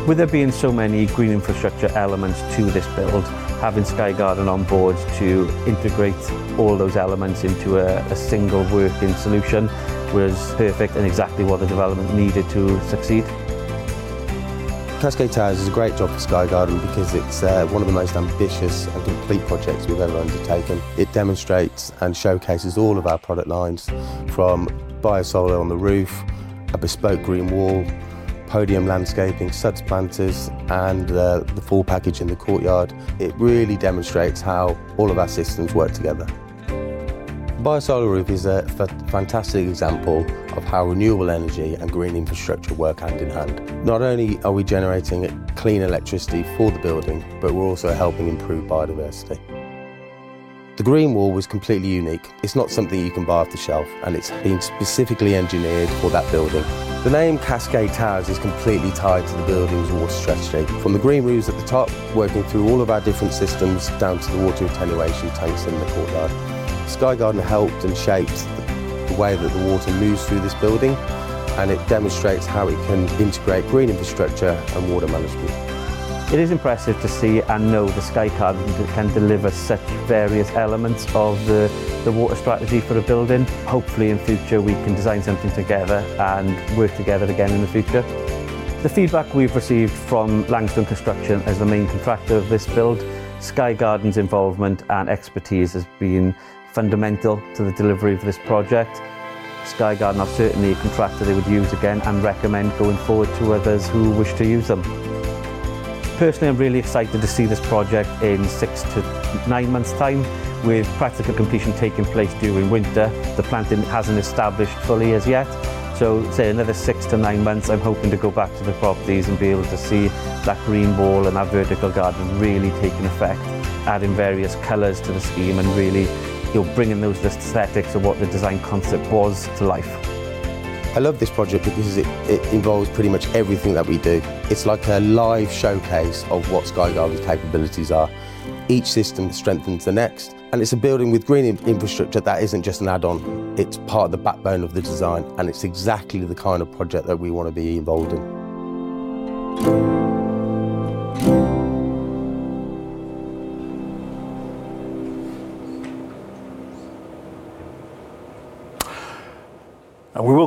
With there being so many green infrastructure elements to this build, having Sky Garden on board to integrate all those elements into a single working solution was perfect and exactly what the development needed to succeed. Cascade is a great job for Sky Garden because it's one of the most ambitious and complete projects we've ever undertaken. It demonstrates and showcases all of our product lines from BioSolar on the roof, a bespoke green wall, podium landscaping, SuDS planters, and the full package in the courtyard. It really demonstrates how all of our systems work together. BioSolar roof is a fantastic example of how renewable energy and green infrastructure work hand in hand. Not only are we generating clean electricity for the building, but we're also helping improve biodiversity. The green wall was completely unique. It's not something you can buy off the shelf, and it's been specifically engineered for that building. The name The Cascade is completely tied to the building's water strategy. From the green roofs at the top, working through all of our different systems, down to the water attenuation tanks in the courtyard. Sky Garden helped and shaped the way that the water moves through this building, and it demonstrates how it can integrate green infrastructure and water management. It is impressive to see and know that Sky Garden can deliver such various elements of the water strategy for a building. Hopefully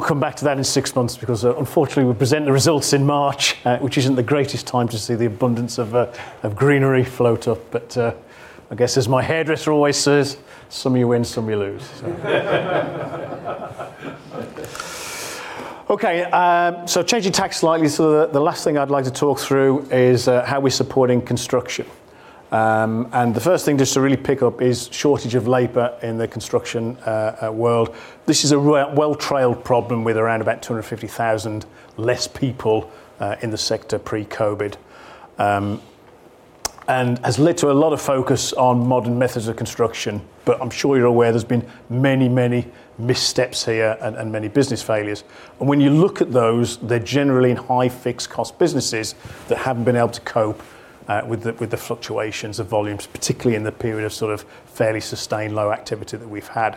We will come back to that in six months because, unfortunately we present the results in March, which isn't the greatest time to see the abundance of greenery float up. I guess as my hairdresser always says, "Some you win, some you lose." Okay, changing tacks slightly. The last thing I'd like to talk through is how we're supporting construction. The first thing just to really pick up is shortage of labor in the construction world. This is a well-trailed problem with around about 250,000 less people in the sector pre-COVID. It has led to a lot of focus on modern methods of construction, but I'm sure you're aware there's been many missteps here and many business failures. When you look at those, they're generally in high fixed cost businesses that haven't been able to cope with the fluctuations of volumes, particularly in the period of sort of fairly sustained low activity that we've had.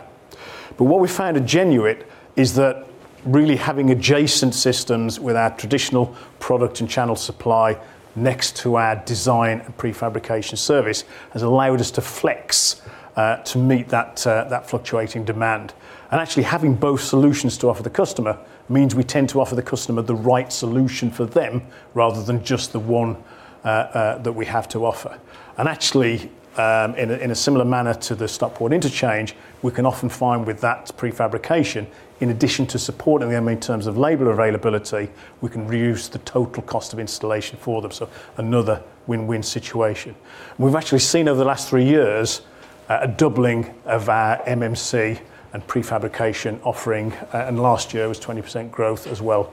What we found at Genuit is that really having adjacent systems with our traditional product and channel supply next to our design and prefabrication service has allowed us to flex to meet that fluctuating demand. Actually having both solutions to offer the customer means we tend to offer the customer the right solution for them rather than just the one that we have to offer. Actually, in a similar manner to the Stockport Interchange, we can often find with that prefabrication, in addition to supporting them in terms of labor availability, we can reduce the total cost of installation for them. Another win-win situation. We've actually seen over the last three years a doubling of our MMC and prefabrication offering. Last year was 20% growth as well,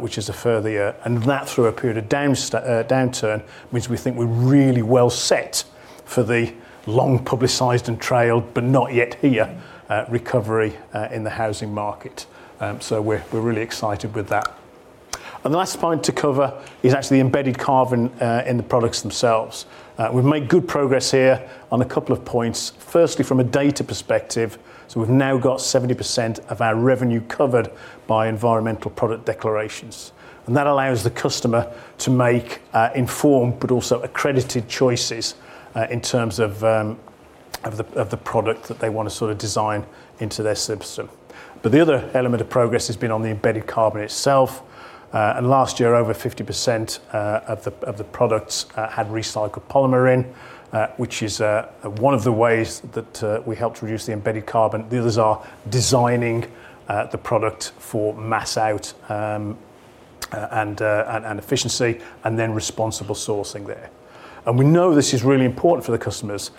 which is a further point. That through a period of downturn means we think we're really well set for the long-publicized and trailed, but not yet here, recovery in the housing market. We're really excited with that. The last point to cover is actually the embedded carbon in the products themselves. We've made good progress here on a couple of points. From a data perspective, we've now got 70% of our revenue covered by environmental product declarations. That allows the customer to make informed but also accredited choices in terms of the product that they wanna sort of design into their system. The other element of progress has been on the embedded carbon itself. Last year over 50% of the products had recycled polymer in which is one of the ways that we help reduce the embedded carbon. The others are designing the product for mass optimization and efficiency and then responsible sourcing there. We know this is really important for the customers,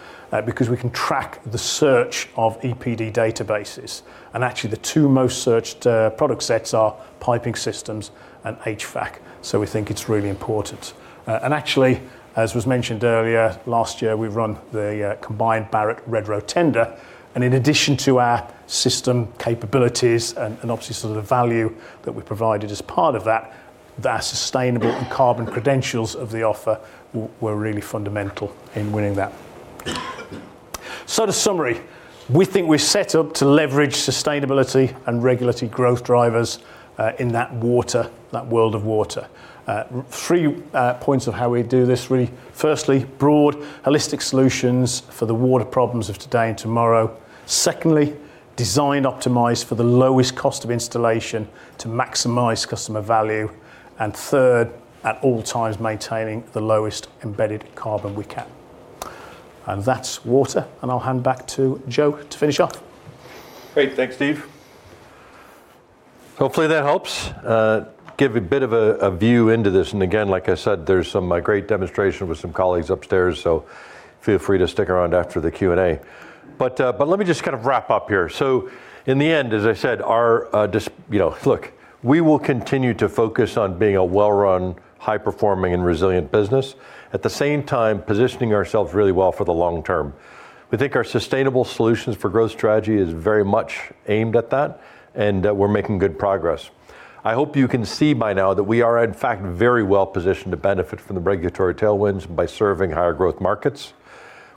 because we can track the search of EPD databases, and actually the two most searched product sets are piping systems and HVAC. We think it's really important. Actually, as was mentioned earlier, last year we've run the combined Barratt Redrow tender, and in addition to our system capabilities and obviously sort of the value that we provided as part of that, the sustainable and carbon credentials of the offer were really fundamental in winning that. To summarize, we think we're set up to leverage sustainability and regulatory growth drivers in that world of water. Three points of how we do this really. Firstly, broad holistic solutions for the water problems of today and tomorrow. Secondly, design optimized for the lowest cost of installation to maximize customer value. Third, at all times, maintaining the lowest embedded carbon we can. That's water, and I'll hand back to Joe to finish up. Great. Thanks, Steve. Hopefully that helps give a bit of a view into this. Again, like I said, there's some great demonstration with some colleagues upstairs, so feel free to stick around after the Q&A. Let me just kind of wrap up here. In the end, as I said, we will continue to focus on being a well-run, high-performing, and resilient business. At the same time, positioning ourselves really well for the long term. We think our sustainable solutions for growth strategy is very much aimed at that, and we're making good progress. I hope you can see by now that we are in fact very well positioned to benefit from the regulatory tailwinds by serving higher growth markets.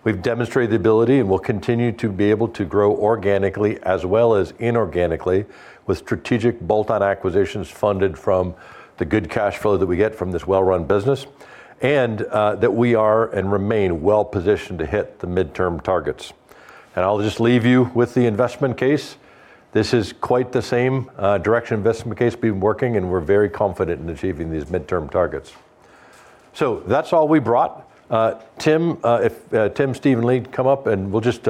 We've demonstrated the ability and will continue to be able to grow organically as well as inorganically with strategic bolt-on acquisitions funded from the good cash flow that we get from this well-run business, and that we are and remain well-positioned to hit the midterm targets. I'll just leave you with the investment case. This is quite the same direction investment case we've been working, and we're very confident in achieving these midterm targets. That's all we brought. Tim, Steve, and Lee come up, and we'll just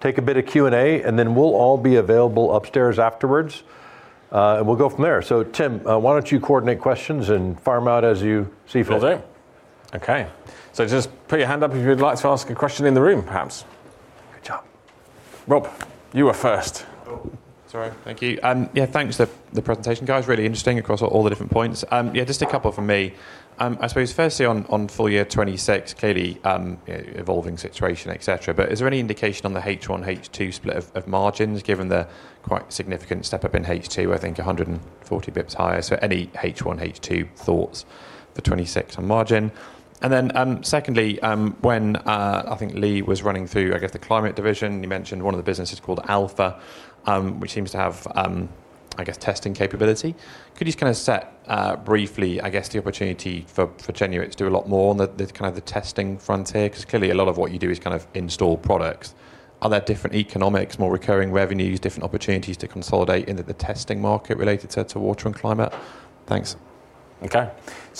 take a bit of Q&A, and then we'll all be available upstairs afterwards. We'll go from there. Tim, why don't you coordinate questions and farm out as you see fit? Will do. Okay. Just put your hand up if you'd like to ask a question in the room, perhaps. Good job. Rob, you were first. Oh, sorry. Thank you. Yeah, thanks for the presentation, guys. Really interesting across all the different points. Yeah, just a couple from me. I suppose firstly on full year 2026, clearly evolving situation, et cetera. Is there any indication on the H1, H2 split of margins given the quite significant step up in H2, I think 140 basis points higher. Any H1, H2 thoughts for 2026 on margin? Then, secondly, when I think Lee was running through, I guess, the climate division, you mentioned one of the businesses called Alpha, which seems to have, I guess, testing capability. Could you just kinda set briefly, I guess, the opportunity for Genuit to do a lot more on the kind of the testing front here? 'Cause clearly a lot of what you do is kind of install products. Are there different economics, more recurring revenues, different opportunities to consolidate into the testing market related to water and climate? Thanks. Okay.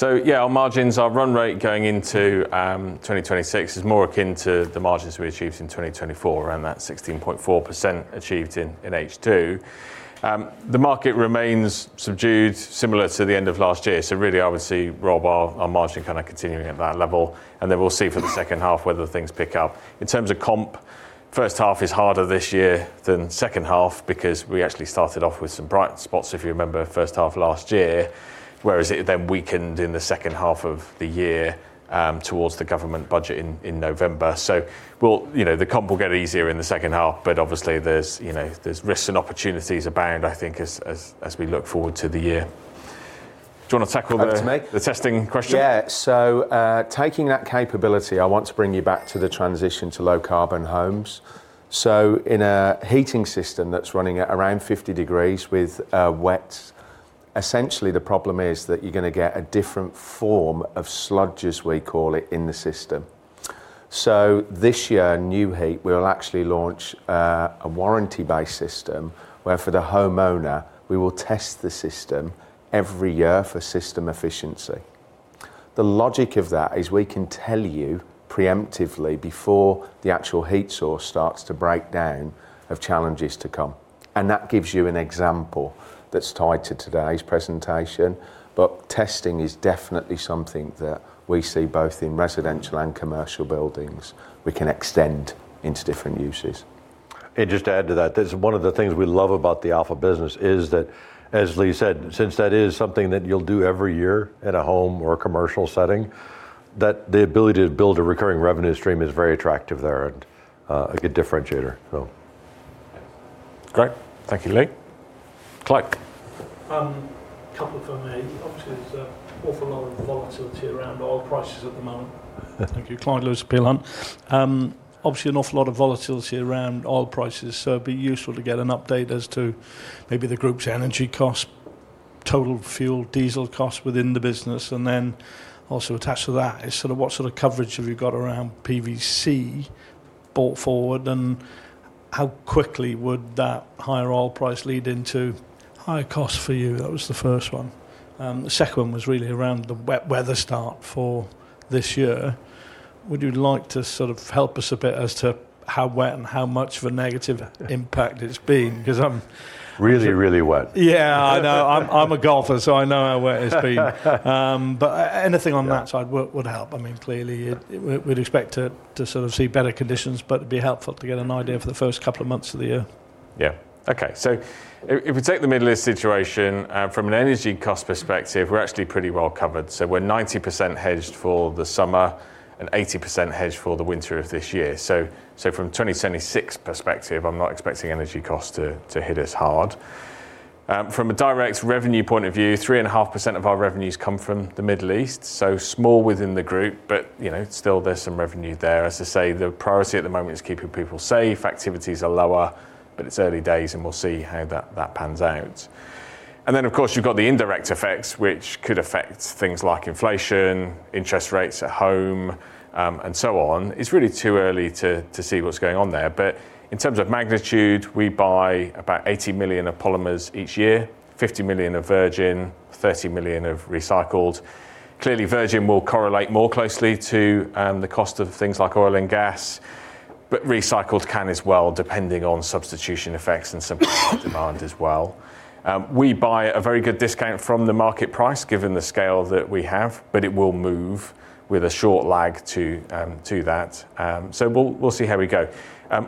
Yeah, our margins, our run rate going into 2026 is more akin to the margins we achieved in 2024, around that 16.4% achieved in H2. The market remains subdued, similar to the end of last year. Really, I would see, Rob, our margin kinda continuing at that level, and then we'll see for the second half whether things pick up. In terms of comp, first half is harder this year than second half because we actually started off with some bright spots, if you remember, first half last year, whereas it then weakened in the second half of the year, towards the government budget in November. We'll, you know, the comp will get easier in the second half, but obviously there's, you know, there's risks and opportunities abound, I think, as we look forward to the year. Do you wanna tackle the. Over to me. The testing question? Yeah. Taking that capability, I want to bring you back to the transition to low carbon homes. In a heating system that's running at around 50 degrees with wet, essentially the problem is that you're gonna get a different form of sludge, as we call it, in the system. This year, Nu-Heat, we'll actually launch a warranty-based system where for the homeowner, we will test the system every year for system efficiency. The logic of that is we can tell you preemptively before the actual heat source starts to break down of challenges to come. That gives you an example that's tied to today's presentation. Testing is definitely something that we see both in residential and commercial buildings we can extend into different uses. Just to add to that, this is one of the things we love about the Alpha business is that, as Lee said, since that is something that you'll do every year at a home or a commercial setting, that the ability to build a recurring revenue stream is very attractive there and, a good differentiator, so. Great. Thank you, Lee. Clyde. Couple from me. Obviously, there's an awful lot of volatility around oil prices at the moment. Thank you. Clyde Lewis, Peel Hunt. Obviously, an awful lot of volatility around oil prices, so it'd be useful to get an update as to maybe the group's energy cost, total fuel, diesel cost within the business. Then also attached to that is sort of what sort of coverage have you got around PVC bought forward, and how quickly would that higher oil price lead into higher cost for you? That was the first one. The second one was really around the wet weather start for this year. Would you like to sort of help us a bit as to how wet and how much of a negative impact it's been? 'Cause I'm. Really, really wet. Yeah, I know. I'm a golfer, so I know how wet it's been. Anything on that side would help. I mean, clearly we'd expect to sort of see better conditions, but it'd be helpful to get an idea for the first couple of months of the year. If we take the Middle East situation from an energy cost perspective, we're actually pretty well covered. We're 90% hedged for the summer and 80% hedged for the winter of this year. From 2026 perspective, I'm not expecting energy cost to hit us hard. From a direct revenue point of view, 3.5% of our revenues come from the Middle East. Small within the group, but you know, still there's some revenue there. As I say, the priority at the moment is keeping people safe. Activities are lower, but it's early days, and we'll see how that pans out. Then, of course, you've got the indirect effects, which could affect things like inflation, interest rates at home, and so on. It's really too early to see what's going on there. In terms of magnitude, we buy about 80 million of polymers each year, 50 million of virgin, 30 million of recycled. Clearly, virgin will correlate more closely to the cost of things like oil and gas. Recycled can as well, depending on substitution effects and simple demand as well. We buy a very good discount from the market price given the scale that we have, but it will move with a short lag to that. So we'll see how we go.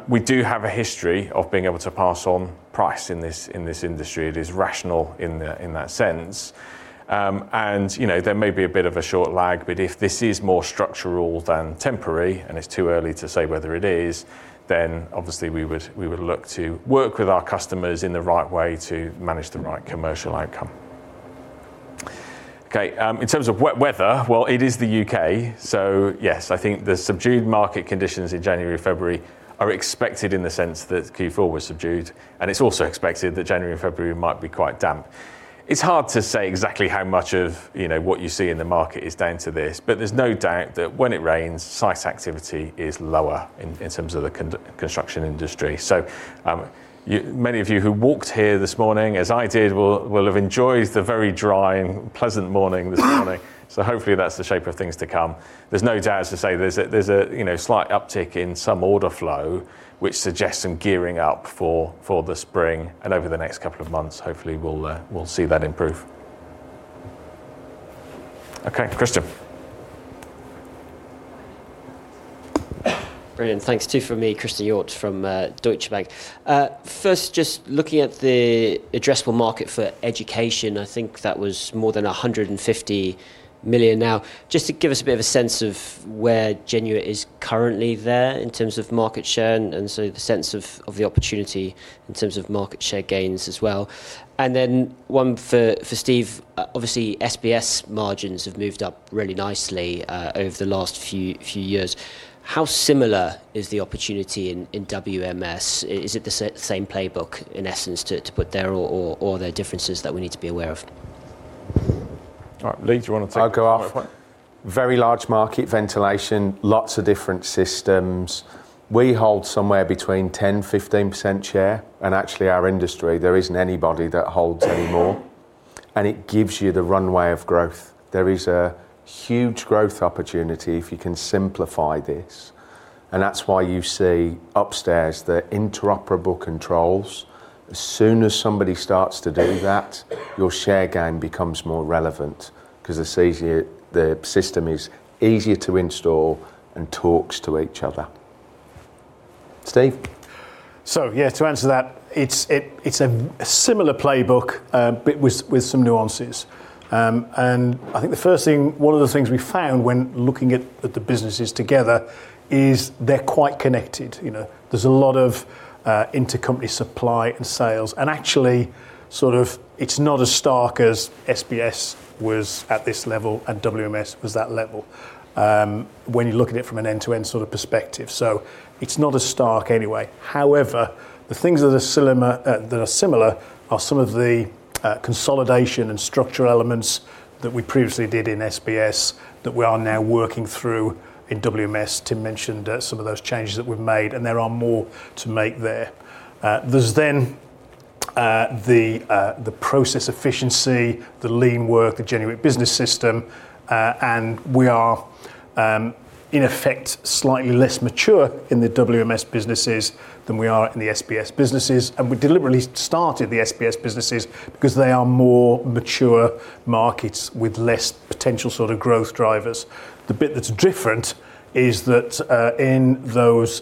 We do have a history of being able to pass on price in this industry. It is rational in that sense. You know, there may be a bit of a short lag, but if this is more structural than temporary, and it's too early to say whether it is, then obviously we would look to work with our customers in the right way to manage the right commercial outcome. Okay, in terms of weather, well, it is the U.K.. So yes, I think the subdued market conditions in January, February are expected in the sense that Q4 was subdued, and it's also expected that January and February might be quite damp. It's hard to say exactly how much of, you know, what you see in the market is down to this, but there's no doubt that when it rains, site activity is lower in terms of the construction industry. Many of you who walked here this morning, as I did, will have enjoyed the very dry and pleasant morning this morning. Hopefully, that's the shape of things to come. There's no doubt, as I say, there's a, you know, slight uptick in some order flow, which suggests some gearing up for the spring and over the next couple of months. Hopefully, we'll see that improve. Okay. Christian. Brilliant. Thanks. Two from me, Christian Yorck from Deutsche Bank. First, just looking at the addressable market for education, I think that was more than 150 million now. Just to give us a bit of a sense of where Genuit is currently there in terms of market share and so the sense of the opportunity in terms of market share gains as well. Then one for Steve. Obviously, SBS margins have moved up really nicely over the last few years. How similar is the opportunity in WMS? Is it the same playbook, in essence, to put there or are there differences that we need to be aware of? All right, Lee, do you want to take I'll go off. Very large market, ventilation, lots of different systems. We hold somewhere between 10%-15% share. Actually, our industry, there isn't anybody that holds any more, and it gives you the runway of growth. There is a huge growth opportunity if you can simplify this, and that's why you see upstairs the interoperable controls. As soon as somebody starts to do that, your share gain becomes more relevant 'cause it's easier, the system is easier to install and talks to each other. Steve. Yeah, to answer that, it's a similar playbook, but with some nuances. I think one of the things we found when looking at the businesses together is they're quite connected. You know, there's a lot of intercompany supply and sales, and actually sort of it's not as stark as SBS was at this level and WMS was that level, when you look at it from an end-to-end sort of perspective. It's not as stark anyway. However, the things that are similar are some of the consolidation and structural elements that we previously did in SBS that we are now working through in WMS. Tim mentioned some of those changes that we've made, and there are more to make there. There's then the process efficiency, the lean work, the Genuit Business System, and we are in effect slightly less mature in the WMS businesses than we are in the SBS businesses. We deliberately started the SBS businesses because they are more mature markets with less potential sort of growth drivers. The bit that's different is that in those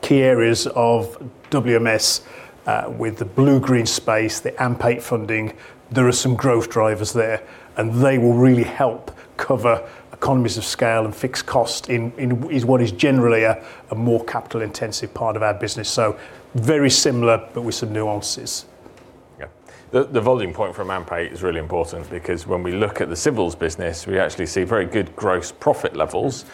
key areas of WMS with the blue-green roof, the AMP8 funding, there are some growth drivers there, and they will really help cover economies of scale and fixed cost is what is generally a more capital-intensive part of our business. Very similar, but with some nuances. Yeah. The volume point for AMP8 is really important because when we look at the civils business, we actually see very good gross profit levels,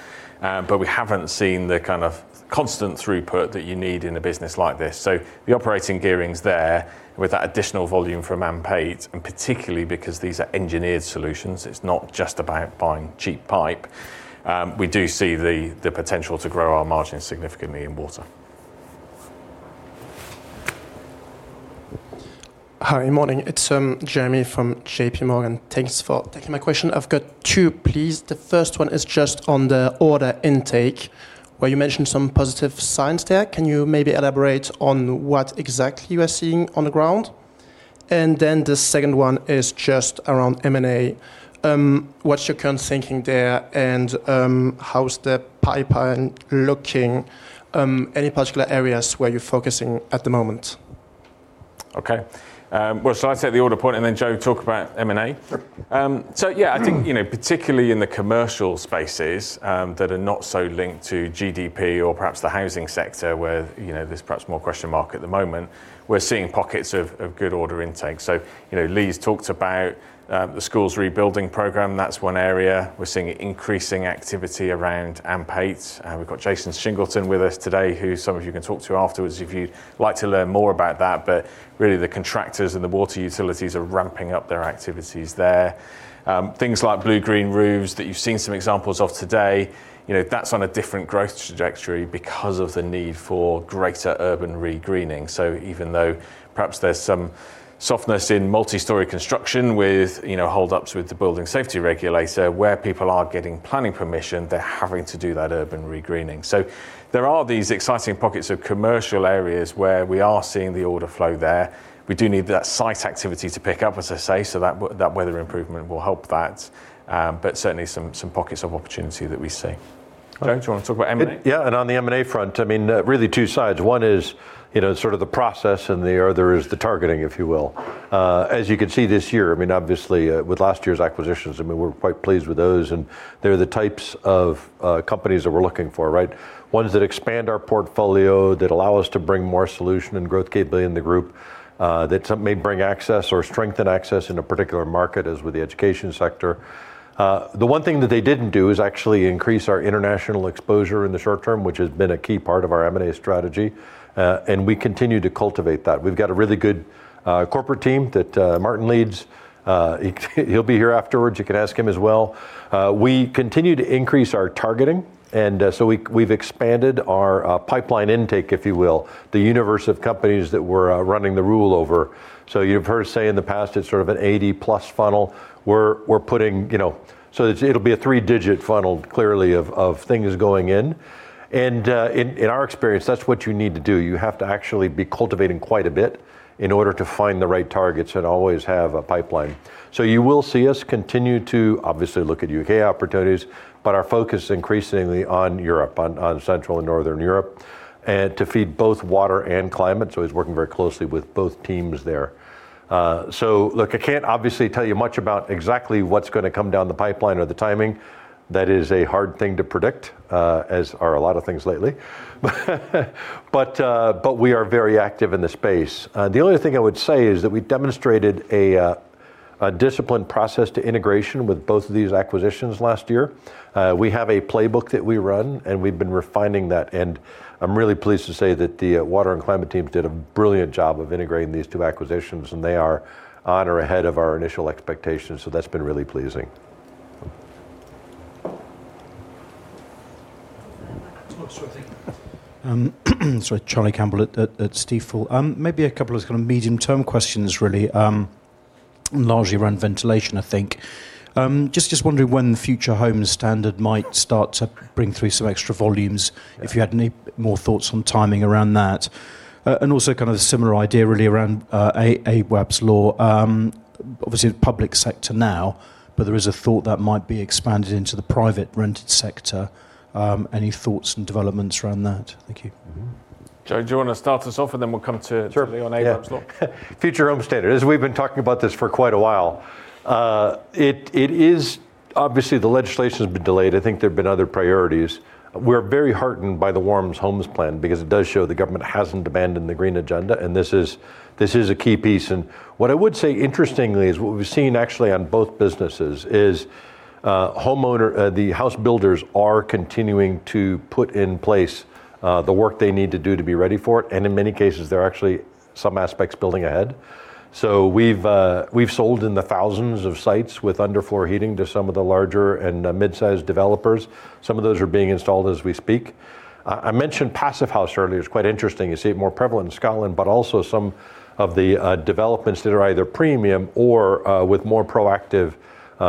but we haven't seen the kind of constant throughput that you need in a business like this. The operating gearing's there with that additional volume from AMP8, and particularly because these are engineered solutions, it's not just about buying cheap pipe. We do see the potential to grow our margins significantly in water. Hi. Morning. It's Jeremy from JPMorgan. Thanks for taking my question. I've got two, please. The first one is just on the order intake, where you mentioned some positive signs there. Can you maybe elaborate on what exactly you are seeing on the ground? Then the second one is just around M&A. What's your current thinking there, and how's the pipeline looking? Any particular areas where you're focusing at the moment? Okay. Well, shall I take the order point and then Joe talk about M&A? Sure. Yeah, I think, you know, particularly in the commercial spaces, that are not so linked to GDP or perhaps the housing sector where, you know, there's perhaps more question mark at the moment, we're seeing pockets of good order intake. You know, Lee's talked about the school's rebuilding program, that's one area. We're seeing increasing activity around AMP8. We've got Jason Shingleton with us today, who some of you can talk to afterwards if you'd like to learn more about that. Really the contractors and the water utilities are ramping up their activities there. Things like blue-green roofs that you've seen some examples of today, you know, that's on a different growth trajectory because of the need for greater urban re-greening. Even though perhaps there's some softness in multi-story construction with, you know, hold ups with the building safety regulator, where people are getting planning permission, they're having to do that urban re-greening. There are these exciting pockets of commercial areas where we are seeing the order flow there. We do need that site activity to pick up, as I say, so that weather improvement will help that. But certainly some pockets of opportunity that we see. Joe, do you want to talk about M&A? Yeah. On the M&A front, I mean, really two sides. One is, you know, sort of the process and the other is the targeting, if you will. As you can see this year, I mean, obviously, with last year's acquisitions, I mean, we're quite pleased with those, and they're the types of companies that we're looking for, right? Ones that expand our portfolio, that allow us to bring more solution and growth capability in the group, that some may bring access or strengthen access in a particular market, as with the education sector. The one thing that they didn't do is actually increase our international exposure in the short term, which has been a key part of our M&A strategy. We continue to cultivate that. We've got a really good corporate team that Martin leads. He'll be here afterwards, you can ask him as well. We continue to increase our targeting. We've expanded our pipeline intake, if you will, the universe of companies that we're running the rule over. You've heard us say in the past, it's sort of a 80+ funnel. It'll be a three-digit funnel, clearly, of things going in. In our experience, that's what you need to do. You have to actually be cultivating quite a bit in order to find the right targets and always have a pipeline. You will see us continue to obviously look at U.K. opportunities, but our focus is increasingly on Europe, on Central and Northern Europe, and to feed both water and climate. He's working very closely with both teams there. Look, I can't obviously tell you much about exactly what's gonna come down the pipeline or the timing. That is a hard thing to predict, as are a lot of things lately. We are very active in the space. The only thing I would say is that we demonstrated a disciplined process to integration with both of these acquisitions last year. We have a playbook that we run, and we've been refining that. I'm really pleased to say that the water and climate teams did a brilliant job of integrating these two acquisitions, and they are on or ahead of our initial expectations. That's been really pleasing. Sorry, Charlie Campbell at Stifel. Maybe a couple of kind of medium-term questions, really, largely around ventilation, I think. Just wondering when the Future Homes Standard might start to bring through some extra volumes, if you had any more thoughts on timing around that. And also kind of a similar idea really around Awaab's Law. Obviously, the public sector now, but there is a thought that might be expanded into the private rented sector. Any thoughts and developments around that? Thank you. Joe, do you wanna start us off and then we'll come to. Sure. On Awaab's Law. Yeah. Future Homes Standard. As we've been talking about this for quite a while. It is obviously the legislation has been delayed. I think there have been other priorities. We're very heartened by the Warm Homes Plan because it does show the government hasn't abandoned the green agenda, and this is a key piece. What I would say interestingly is what we've seen actually on both businesses is homeowner, the house builders are continuing to put in place the work they need to do to be ready for it, and in many cases, they're actually some aspects building ahead. We've sold in the thousands of sites with underfloor heating to some of the larger and mid-sized developers. Some of those are being installed as we speak. I mentioned Passivhaus earlier. It's quite interesting. You see it more prevalent in Scotland, but also some of the developments that are either premium or with more proactive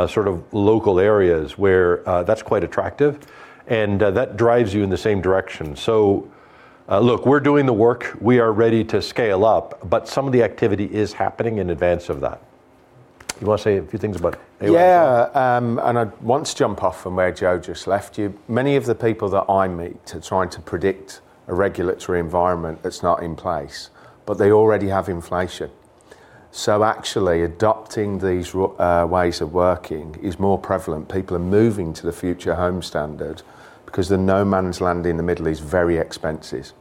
sort of local areas where that's quite attractive, and that drives you in the same direction. Look, we're doing the work, we are ready to scale up, but some of the activity is happening in advance of that. You wanna say a few things about Awaab's Law? Yeah, I want to jump off from where Joe just left you. Many of the people that I meet are trying to predict a regulatory environment that's not in place, but they already have inflation. Actually adopting these ways of working is more prevalent. People are moving to the Future Homes Standard because the no man's land in the middle is very expensive.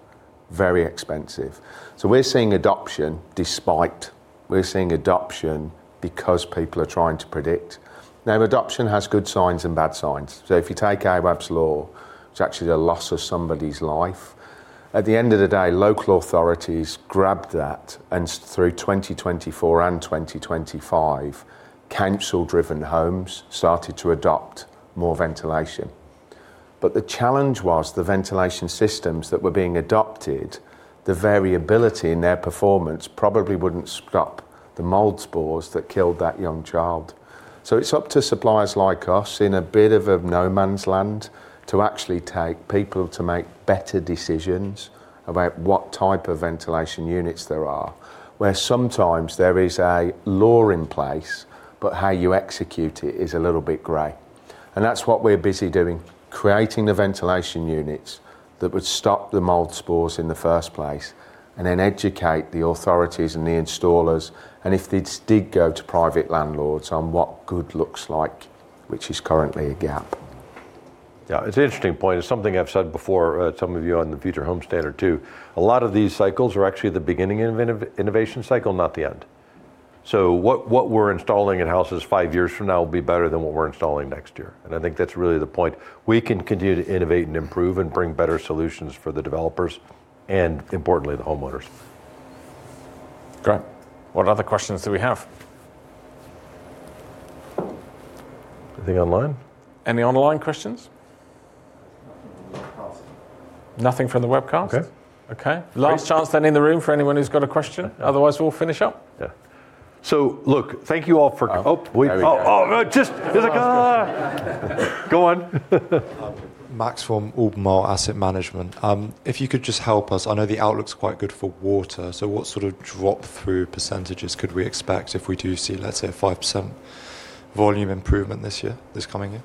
Very expensive. We're seeing adoption despite, we're seeing adoption because people are trying to predict. Now, adoption has good signs and bad signs. If you take Awaab's Law, it's actually the loss of somebody's life. At the end of the day, local authorities grabbed that, and through 2024 and 2025, council-driven homes started to adopt more ventilation. The challenge was the ventilation systems that were being adopted, the variability in their performance probably wouldn't stop the mold spores that killed that young child. It's up to suppliers like us in a bit of a no man's land to actually take people to make better decisions about what type of ventilation units there are, where sometimes there is a law in place, but how you execute it is a little bit gray. That's what we're busy doing, creating the ventilation units that would stop the mold spores in the first place, and then educate the authorities and the installers, and if this did go to private landlords, on what good looks like, which is currently a gap. Yeah, it's an interesting point. It's something I've said before to some of you on the Future Homes Standard too. A lot of these cycles are actually the beginning innovation cycle, not the end. What we're installing in houses five years from now will be better than what we're installing next year, and I think that's really the point. We can continue to innovate and improve and bring better solutions for the developers and, importantly, the homeowners. Great. What other questions do we have? Anything online? Any online questions? Nothing from the webcast. Okay. Okay. Last chance then in the room for anyone who's got a question, otherwise we'll finish up. Look, thank you all for. Oh, there we go. There's a guy. Go on. Max from Albemarle Asset Management. If you could just help us, I know the outlook's quite good for water. What sort of drop-through percentages could we expect if we do see, let's say, a 5% volume improvement this year, this coming year?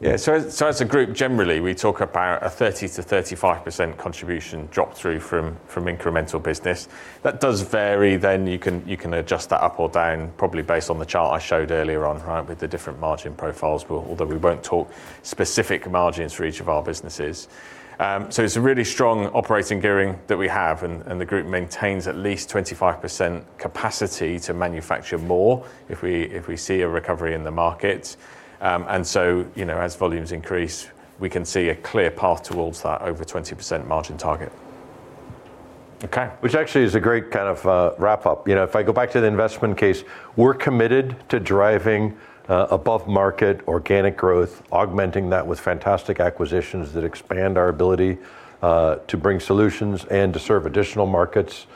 Yeah. As a group generally, we talk about a 30%-35% contribution drop through from incremental business. That does vary. You can adjust that up or down, probably based on the chart I showed earlier on, right, with the different margin profiles, but although we won't talk specific margins for each of our businesses. It's a really strong operating gearing that we have, and the group maintains at least 25% capacity to manufacture more if we see a recovery in the market. You know, as volumes increase, we can see a clear path towards that over 20% margin target. Okay. Which actually is a great kind of wrap-up. You know, if I go back to the investment case, we're committed to driving above market organic growth, augmenting that with fantastic acquisitions that expand our ability to bring solutions and to serve additional markets.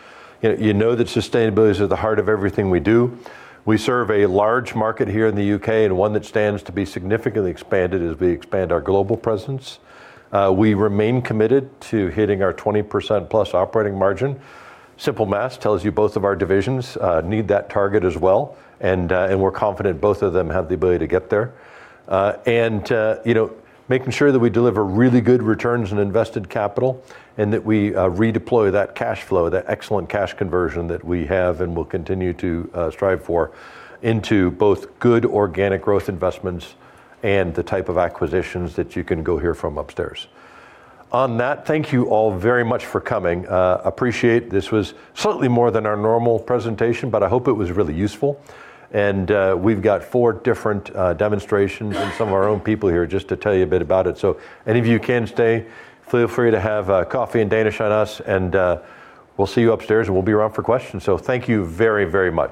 You know, you know that sustainability is at the heart of everything we do. We serve a large market here in the U.K., and one that stands to be significantly expanded as we expand our global presence. We remain committed to hitting our 20%+ operating margin. Simple math tells you both of our divisions need that target as well, and we're confident both of them have the ability to get there. You know, making sure that we deliver really good returns on invested capital, and that we redeploy that cash flow, that excellent cash conversion that we have and will continue to strive for, into both good organic growth investments and the type of acquisitions that you can go hear from upstairs. On that, thank you all very much for coming. I appreciate this was certainly more than our normal presentation, but I hope it was really useful. We've got four different demonstrations and some of our own people here just to tell you a bit about it. Any of you can stay, feel free to have coffee and Danish on us, and we'll see you upstairs, and we'll be around for questions. Thank you very, very much.